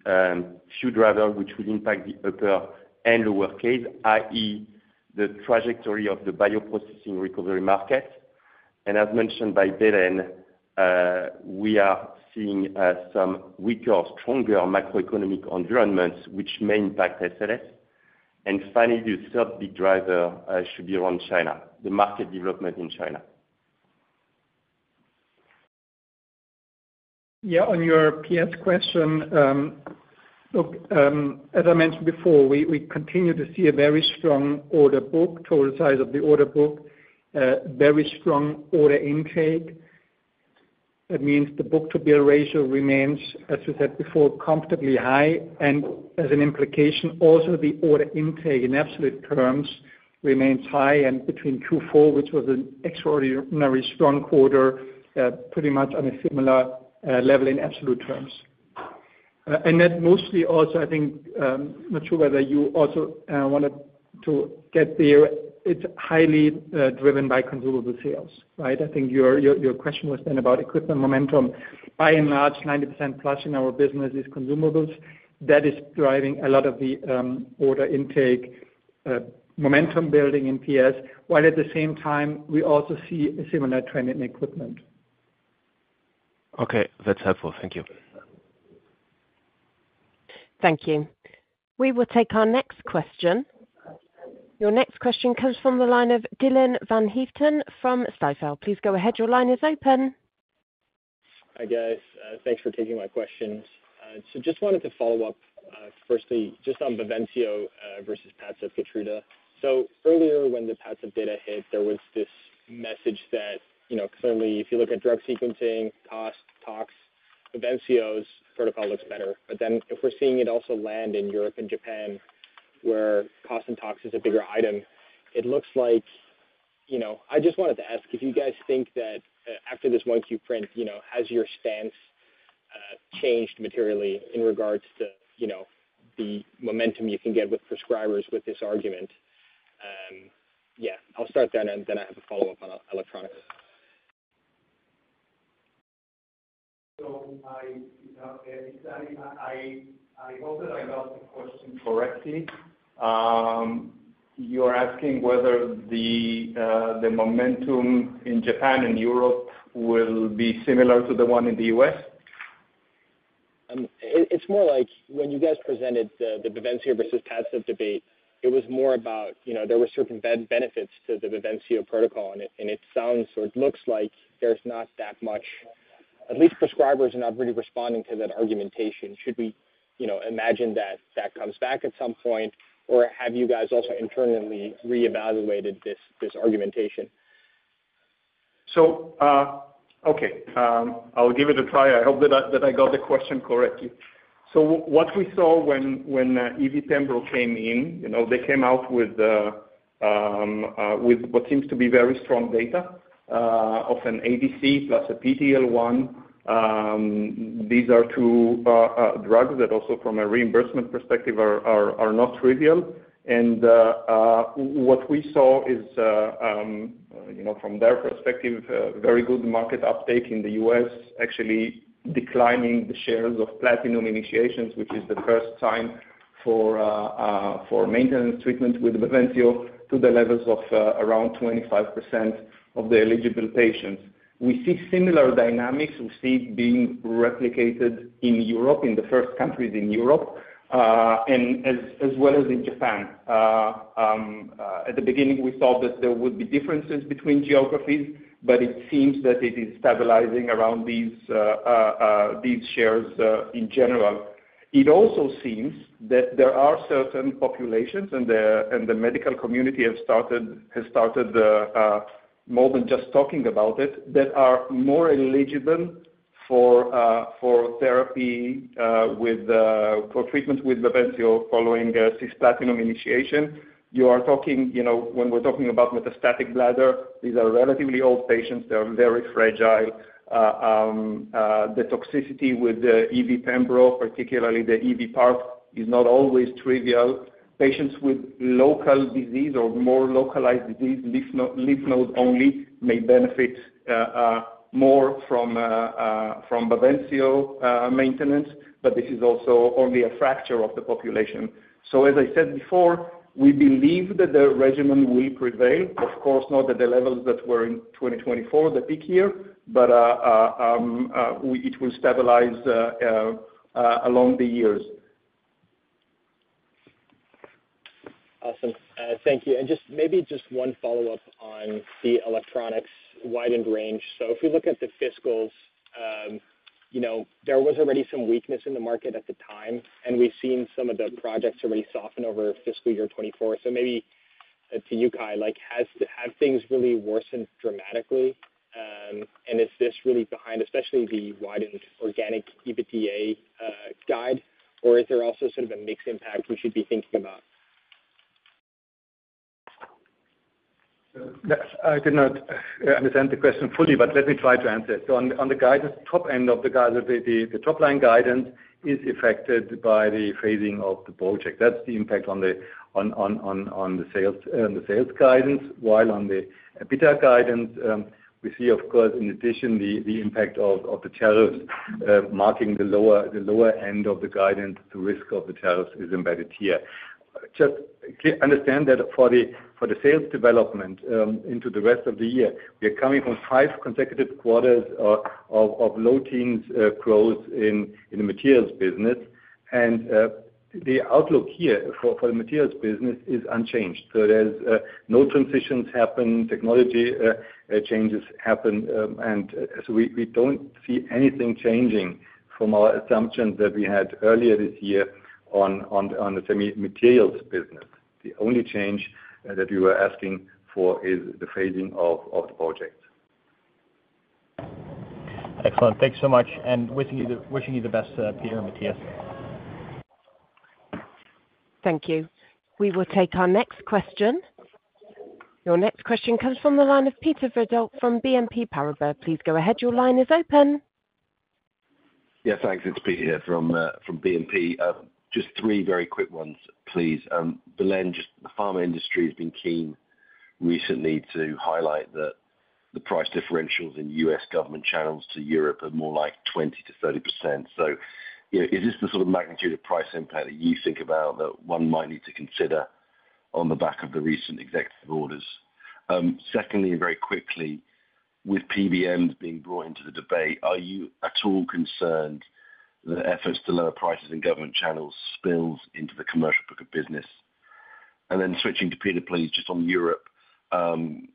few drivers which will impact the upper and lower case, i.e., the trajectory of the bioprocessing recovery market. As mentioned by Belén, we are seeing some weaker, stronger macroeconomic environments which may impact SLS. Finally, the third big driver should be around China, the market development in China. Yeah. On your PS question, look, as I mentioned before, we continue to see a very strong order book, total size of the order book, very strong order intake. That means the book-to-bill ratio remains, as we said before, comfortably high. As an implication, also the order intake in absolute terms remains high and between $2.4 billion, which was an extraordinarily strong quarter, pretty much on a similar level in absolute terms. That mostly also, I think, I'm not sure whether you also wanted to get there. It's highly driven by consumable sales, right? I think your question was then about equipment momentum. By and large, 90% plus in our business is consumables. That is driving a lot of the order intake momentum building in PS, while at the same time, we also see a similar trend in equipment. Okay. That's helpful. Thank you. Thank you. We will take our next question. Your next question comes from the line of Dylan Van Haaften from Stifel. Please go ahead. Your line is open. Hi, guys. Thanks for taking my questions. Just wanted to follow up, firstly, just on Bavencio versus Padcev Keytruda. Earlier, when the Padcev data hit, there was this message that, you know, clearly, if you look at drug sequencing, cost, tox, Bavencio's protocol looks better. If we're seeing it also land in Europe and Japan, where cost and tox is a bigger item, it looks like, you know, I just wanted to ask if you guys think that after this one Q print, you know, has your stance changed materially in regards to, you know, the momentum you can get with prescribers with this argument? Yeah. I'll start then, and then I have a follow-up on electronics. I hope that I got the question correctly. You're asking whether the momentum in Japan and Europe will be similar to the one in the U.S.? It's more like when you guys presented the Bavencio versus PATSEV debate, it was more about, you know, there were certain benefits to the Bavencio protocol. It sounds or it looks like there's not that much, at least prescribers are not really responding to that argumentation. Should we, you know, imagine that that comes back at some point? Or have you guys also internally reevaluated this argumentation? Okay. I'll give it a try. I hope that I got the question correctly. What we saw when EVPEMBRO came in, you know, they came out with what seems to be very strong data of an ADC plus a PD-L1. These are two drugs that also, from a reimbursement perspective, are not trivial. What we saw is, you know, from their perspective, very good market uptake in the US, actually declining the shares of platinum initiations, which is the first time for maintenance treatment with Bavencio to the levels of around 25% of the eligible patients. We see similar dynamics. We see it being replicated in Europe, in the first countries in Europe, as well as in Japan. At the beginning, we thought that there would be differences between geographies, but it seems that it is stabilizing around these shares in general. It also seems that there are certain populations and the medical community have started more than just talking about it that are more eligible for therapy with, for treatment with Bavencio following cisplatinum initiation. You are talking, you know, when we're talking about metastatic bladder, these are relatively old patients. They are very fragile. The toxicity with EVPEMBRO, particularly the EVPARP, is not always trivial. Patients with local disease or more localized disease, lymph node only, may benefit more from Bavencio maintenance, but this is also only a fraction of the population. As I said before, we believe that the regimen will prevail. Of course, not at the levels that were in 2024, the peak year, but it will stabilize along the years. Awesome. Thank you. And just maybe just one follow-up on the electronics widened range. If we look at the fiscals, you know, there was already some weakness in the market at the time, and we've seen some of the projects already soften over fiscal year 2024. Maybe to you, Kai, like, have things really worsened dramatically? Is this really behind, especially the widened organic EBITDA guide? Or is there also sort of a mixed impact we should be thinking about? I did not understand the question fully, but let me try to answer it. On the guidance, top end of the guidance, the top line guidance is affected by the phasing of the project. That's the impact on the sales guidance. While on the EBITDA guidance, we see, of course, in addition, the impact of the tariffs marking the lower end of the guidance, the risk of the tariffs is embedded here. Just understand that for the sales development into the rest of the year, we are coming from five consecutive quarters of low teens growth in the materials business. The outlook here for the materials business is unchanged. There are no transitions happen, technology changes happen. We do not see anything changing from our assumptions that we had earlier this year on the materials business. The only change that we were asking for is the phasing of the project. Excellent. Thanks so much. Wishing you the best, Peter and Matthias. Thank you. We will take our next question. Your next question comes from the line of Peter Verdult from BNP Paribas. Please go ahead. Your line is open. Yes, thanks. It's Peter here from BNP. Just three very quick ones, please. Belén, just the pharma industry has been keen recently to highlight that the price differentials in U.S. government channels to Europe are more like 20%-30%. Is this the sort of magnitude of price impact that you think about that one might need to consider on the back of the recent executive orders? Secondly, and very quickly, with PBMs being brought into the debate, are you at all concerned that efforts to lower prices in government channels spills into the commercial book of business? Switching to Peter, please, just on Europe, pharma,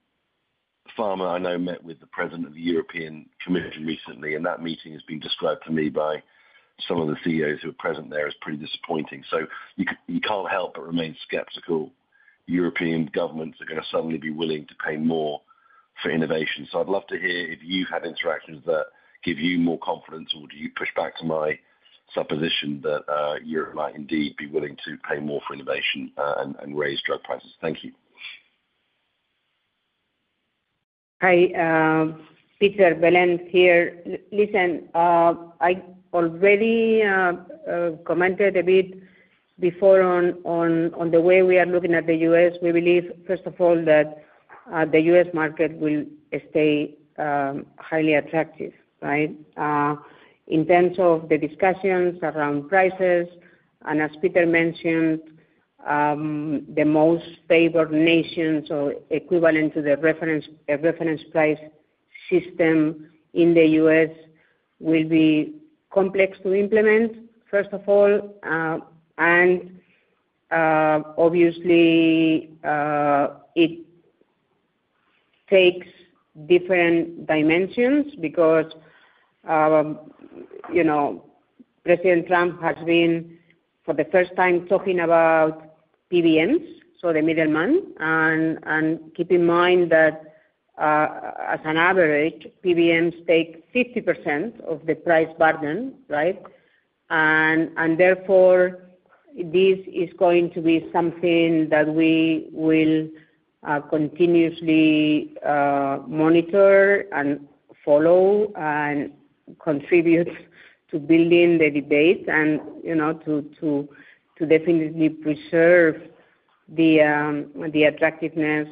I know, met with the president of the European Commission recently, and that meeting has been described to me by some of the CEOs who were present there as pretty disappointing. You cannot help but remain skeptical. European governments are going to suddenly be willing to pay more for innovation. I would love to hear if you have had interactions that give you more confidence, or do you push back to my supposition that you might indeed be willing to pay more for innovation and raise drug prices. Thank you. Hi, Peter, Belén here. Listen, I already commented a bit before on the way we are looking at the U.S. We believe, first of all, that the U.S. market will stay highly attractive, right? In terms of the discussions around prices, and as Peter mentioned, the most favored nations, or equivalent to the reference price system in the U.S., will be complex to implement, first of all. Obviously, it takes different dimensions because, you know, President Trump has been, for the first time, talking about PBMs, so the middleman. Keep in mind that, as an average, PBMs take 50% of the price burden, right? Therefore, this is going to be something that we will continuously monitor and follow and contribute to building the debate and, you know, to definitely preserve the attractiveness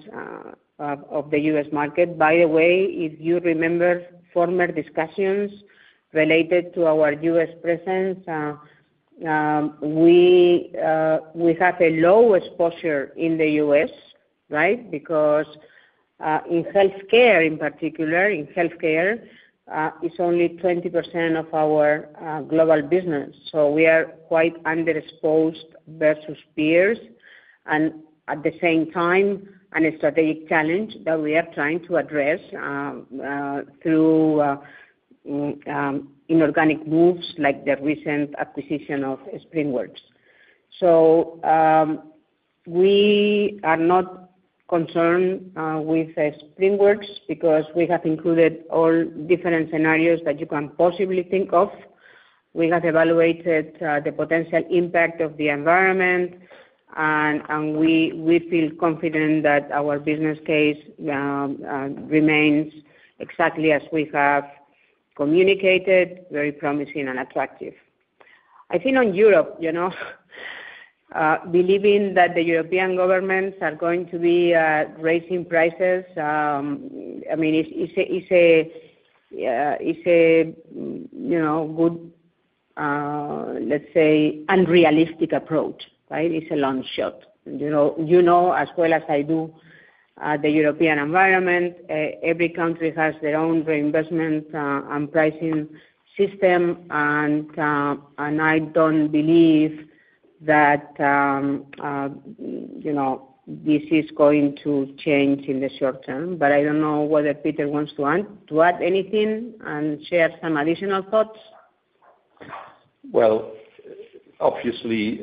of the U.S. market. By the way, if you remember former discussions related to our U.S. presence, we have a low exposure in the U.S., right? Because in healthcare, in particular, in healthcare, it is only 20% of our global business. We are quite underexposed versus peers. At the same time, a strategic challenge that we are trying to address through inorganic moves like the recent acquisition of SpringWorks. We are not concerned with SpringWorks because we have included all different scenarios that you can possibly think of. We have evaluated the potential impact of the environment, and we feel confident that our business case remains exactly as we have communicated, very promising and attractive. I think on Europe, you know, believing that the European governments are going to be raising prices, I mean, is a, you know, good, let's say, unrealistic approach, right? It's a long shot. You know, as well as I do, the European environment, every country has their own reinvestment and pricing system. I don't believe that, you know, this is going to change in the short term. I don't know whether Peter wants to add anything and share some additional thoughts. Obviously,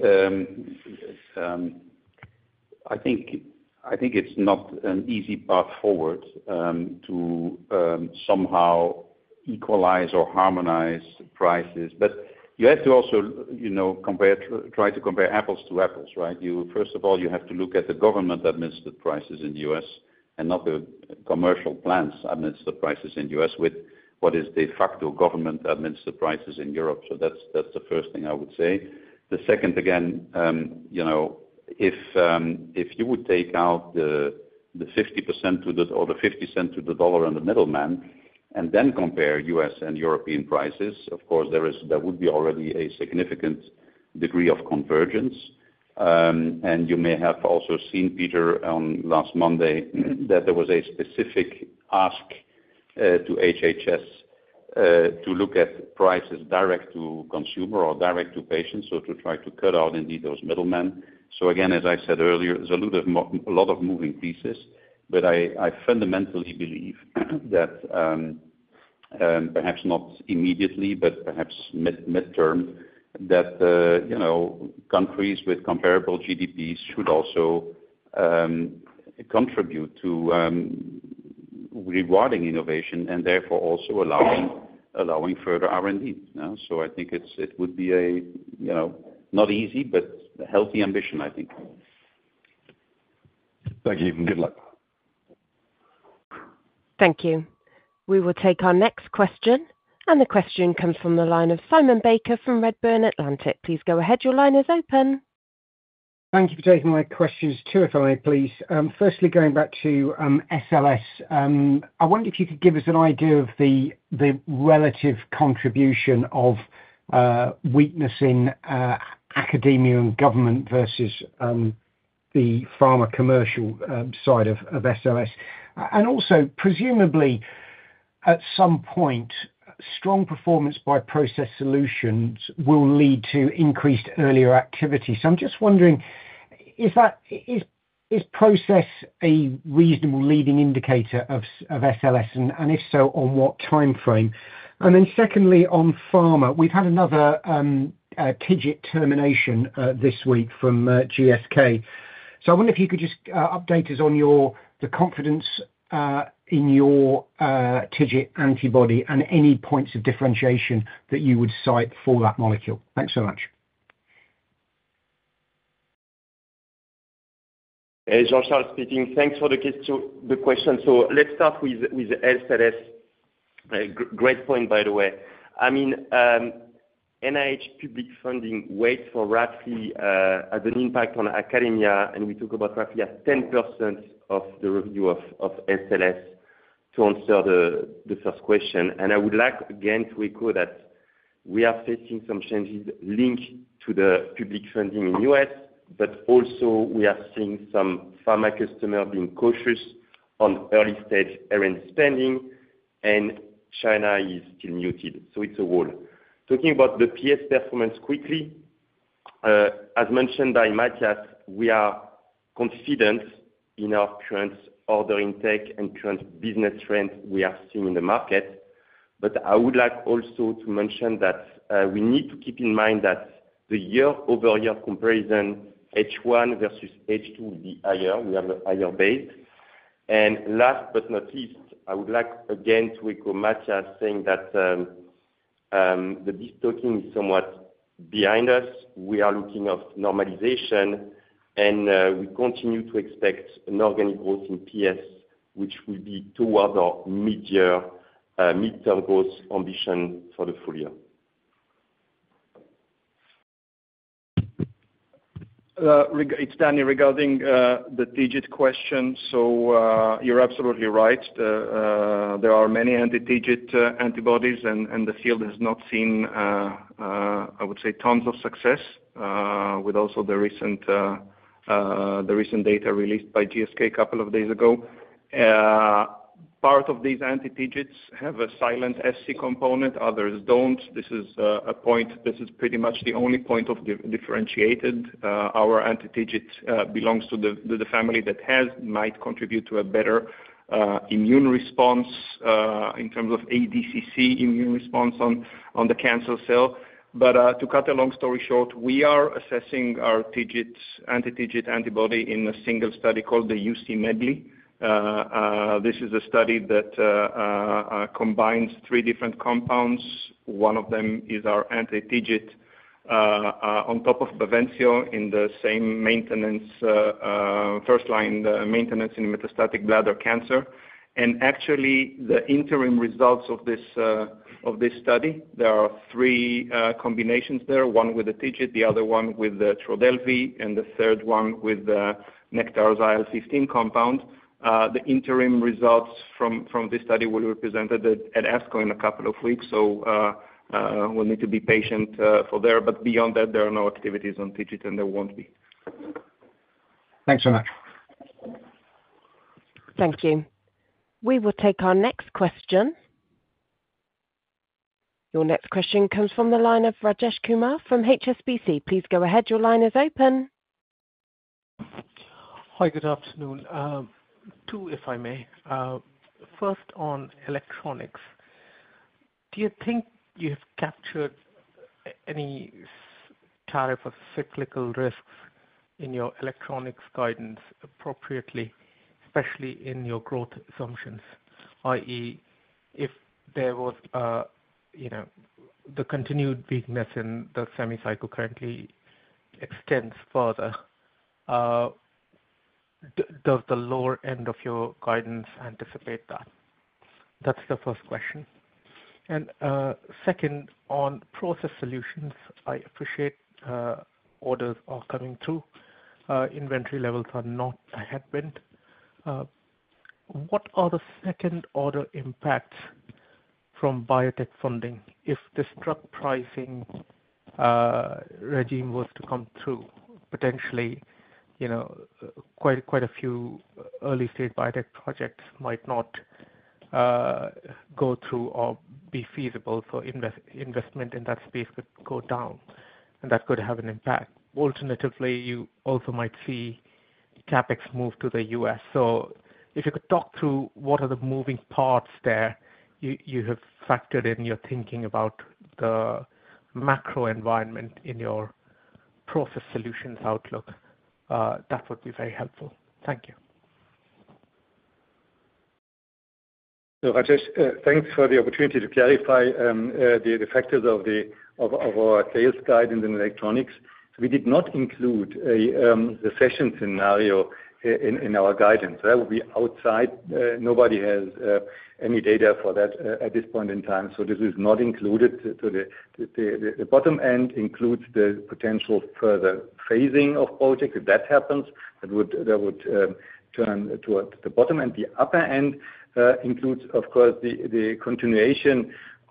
I think it's not an easy path forward to somehow equalize or harmonize prices. You have to also, you know, try to compare apples to apples, right? First of all, you have to look at the government that administers prices in the U.S. and not the commercial plans that administer prices in the U.S. with what is de facto government that administers prices in Europe. That is the first thing I would say. The second, again, you know, if you would take out the 50% or the $0.50 to the dollar and the middleman and then compare U.S. and European prices, of course, there would be already a significant degree of convergence. You may have also seen, Peter, last Monday that there was a specific ask to HHS to look at prices direct to consumer or direct to patients, to try to cut out indeed those middlemen. Again, as I said earlier, there is a lot of moving pieces, but I fundamentally believe that perhaps not immediately, but perhaps midterm, that, you know, countries with comparable GDPs should also contribute to rewarding innovation and therefore also allowing further R&D. I think it would be a, you know, not easy, but healthy ambition, I think. Thank you. Good luck. Thank you. We will take our next question. The question comes from the line of Simon Baker from Redburn Atlantic. Please go ahead. Your line is open. Thank you for taking my questions too, if I may, please. Firstly, going back to SLS, I wonder if you could give us an idea of the relative contribution of weakness in academia and government versus the pharma commercial side of SLS. Also, presumably, at some point, strong performance by process solutions will lead to increased earlier activity. I'm just wondering, is process a reasonable leading indicator of SLS? If so, on what timeframe? Secondly, on pharma, we've had another TIGIT termination this week from GSK. I wonder if you could update us on the confidence in your TIGIT antibody and any points of differentiation that you would cite for that molecule. Thanks so much. It's Jean-Charles speaking. Thanks for the question. Let's start with SLS. Great point, by the way. I mean, NIH public funding waits for roughly an impact on academia, and we talk about roughly 10% of the review of SLS to answer the first question. I would like, again, to echo that we are facing some changes linked to the public funding in the U.S., but also we are seeing some pharma customers being cautious on early-stage R&D spending, and China is still muted. It's a role. Talking about the PS performance quickly, as mentioned by Matthias, we are confident in our current order intake and current business trends we are seeing in the market. I would like also to mention that we need to keep in mind that the year-over-year comparison, H1 versus H2, will be higher. We have a higher base. Last but not least, I would like, again, to echo Matthias saying that the bistocking is somewhat behind us. We are looking at normalization, and we continue to expect an organic growth in PS, which will be towards our mid-term growth ambition for the full year. It's Danny regarding the TIGIT question. You're absolutely right. There are many anti-TIGIT antibodies, and the field has not seen, I would say, tons of success with also the recent data released by GSK a couple of days ago. Part of these anti-TIGITs have a silent SC component. Others don't. This is a point. This is pretty much the only point of differentiated. Our anti-TIGIT belongs to the family that might contribute to a better immune response in terms of ADCC immune response on the cancer cell. To cut a long story short, we are assessing our anti-TIGIT antibody in a single study called the UC Medley. This is a study that combines three different compounds. One of them is our anti-TIGIT on top of Bavencio in the same first-line maintenance in metastatic bladder cancer. Actually, the interim results of this study, there are three combinations there. One with the TIGIT, the other one with the Trodelvy, and the third one with the Nectarazile 15 compound. The interim results from this study will be presented at ASCO in a couple of weeks. We'll need to be patient for there. Beyond that, there are no activities on TIGIT, and there won't be. Thanks so much. Thank you. We will take our next question. Your next question comes from the line of Rajesh Kumar from HSBC. Please go ahead. Your line is open. Hi, good afternoon. Two, if I may. First, on electronics. Do you think you have captured any tariff or cyclical risks in your electronics guidance appropriately, especially in your growth assumptions, i.e., if the continued weakness in the semicycle currently extends further, does the lower end of your guidance anticipate that? That's the first question. Second, on process solutions, I appreciate orders are coming through. Inventory levels are not a headwind. What are the second-order impacts from biotech funding? If this drug pricing regime was to come through, potentially, quite a few early-stage biotech projects might not go through or be feasible. So investment in that space could go down, and that could have an impact. Alternatively, you also might see CapEx move to the U.S. If you could talk through what are the moving parts there you have factored in your thinking about the macro environment in your process solutions outlook, that would be very helpful. Thank you. Rajesh, thanks for the opportunity to clarify the factors of our sales guidance in electronics. We did not include the session scenario in our guidance. That would be outside. Nobody has any data for that at this point in time. This is not included. The bottom end includes the potential further phasing of projects. If that happens, that would turn towards the bottom end. The upper end includes, of course, the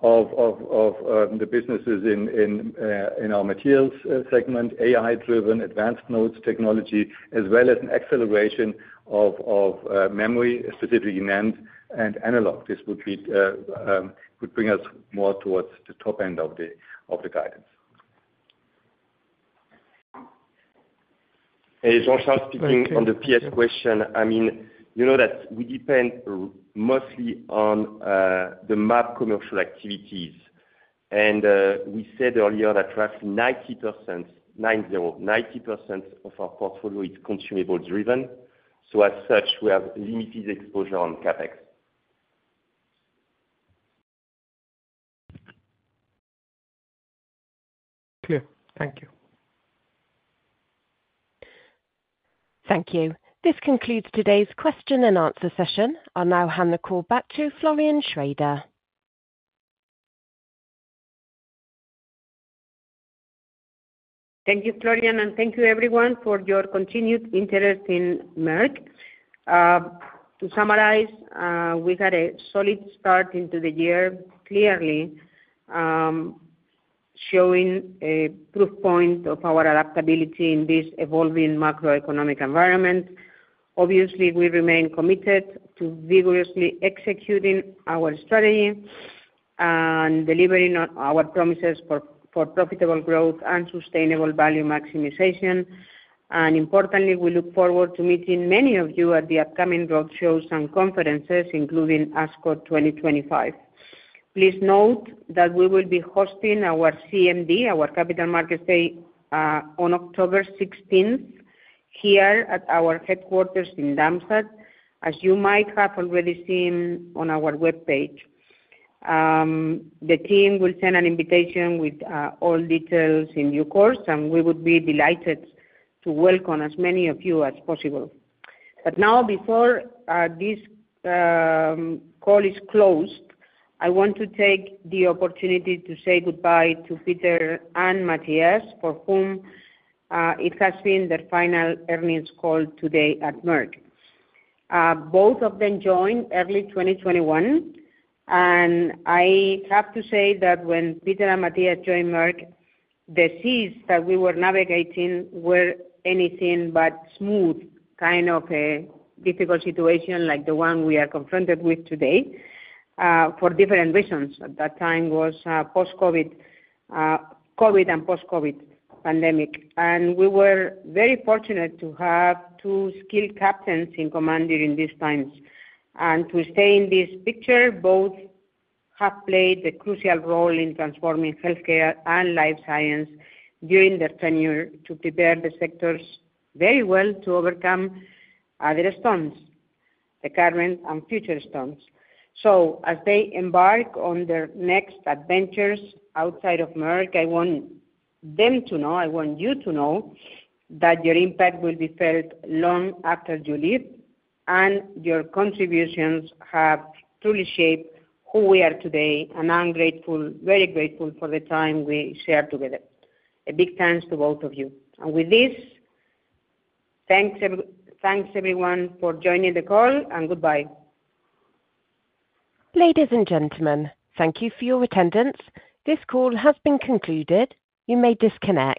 continuation of the businesses in our materials segment, AI-driven advanced nodes technology, as well as an acceleration of memory, specifically NAND and analog. This would bring us more towards the top end of the guidance. It's Jean-Charles speaking on the PS question. I mean, you know that we depend mostly on the MAP commercial activities. And we said earlier that roughly 90% of our portfolio is consumable-driven. So as such, we have limited exposure on CapEx. Clear. Thank you. Thank you. This concludes today's question and answer session. I'll now hand the call back to Florian Schraeder. Thank you, Florian, and thank you, everyone, for your continued interest in Merck. To summarize, we had a solid start into the year clearly, showing a proof point of our adaptability in this evolving macroeconomic environment. Obviously, we remain committed to vigorously executing our strategy and delivering our promises for profitable growth and sustainable value maximization. Importantly, we look forward to meeting many of you at the upcoming roadshows and conferences, including ASCO 2025. Please note that we will be hosting our CMD, our capital market day, on October 16th here at our headquarters in Darmstadt, as you might have already seen on our webpage. The team will send an invitation with all details in due course, and we would be delighted to welcome as many of you as possible. Now, before this call is closed, I want to take the opportunity to say goodbye to Peter and Matthias, for whom it has been their final earnings call today at Merck. Both of them joined early 2021. I have to say that when Peter and Matthias joined Merck, the seas that we were navigating were anything but smooth, kind of a difficult situation like the one we are confronted with today for different reasons. At that time, it was COVID and post-COVID pandemic. We were very fortunate to have two skilled captains in command during these times. To stay in this picture, both have played a crucial role in transforming healthcare and life science during their tenure to prepare the sectors very well to overcome other storms, the current and future storms. As they embark on their next adventures outside of Merck, I want them to know, I want you to know that your impact will be felt long after you leave, and your contributions have truly shaped who we are today. I am very grateful for the time we shared together. A big thanks to both of you. With this, thanks everyone for joining the call, and goodbye. Ladies and gentlemen, thank you for your attendance. This call has been concluded. You may disconnect.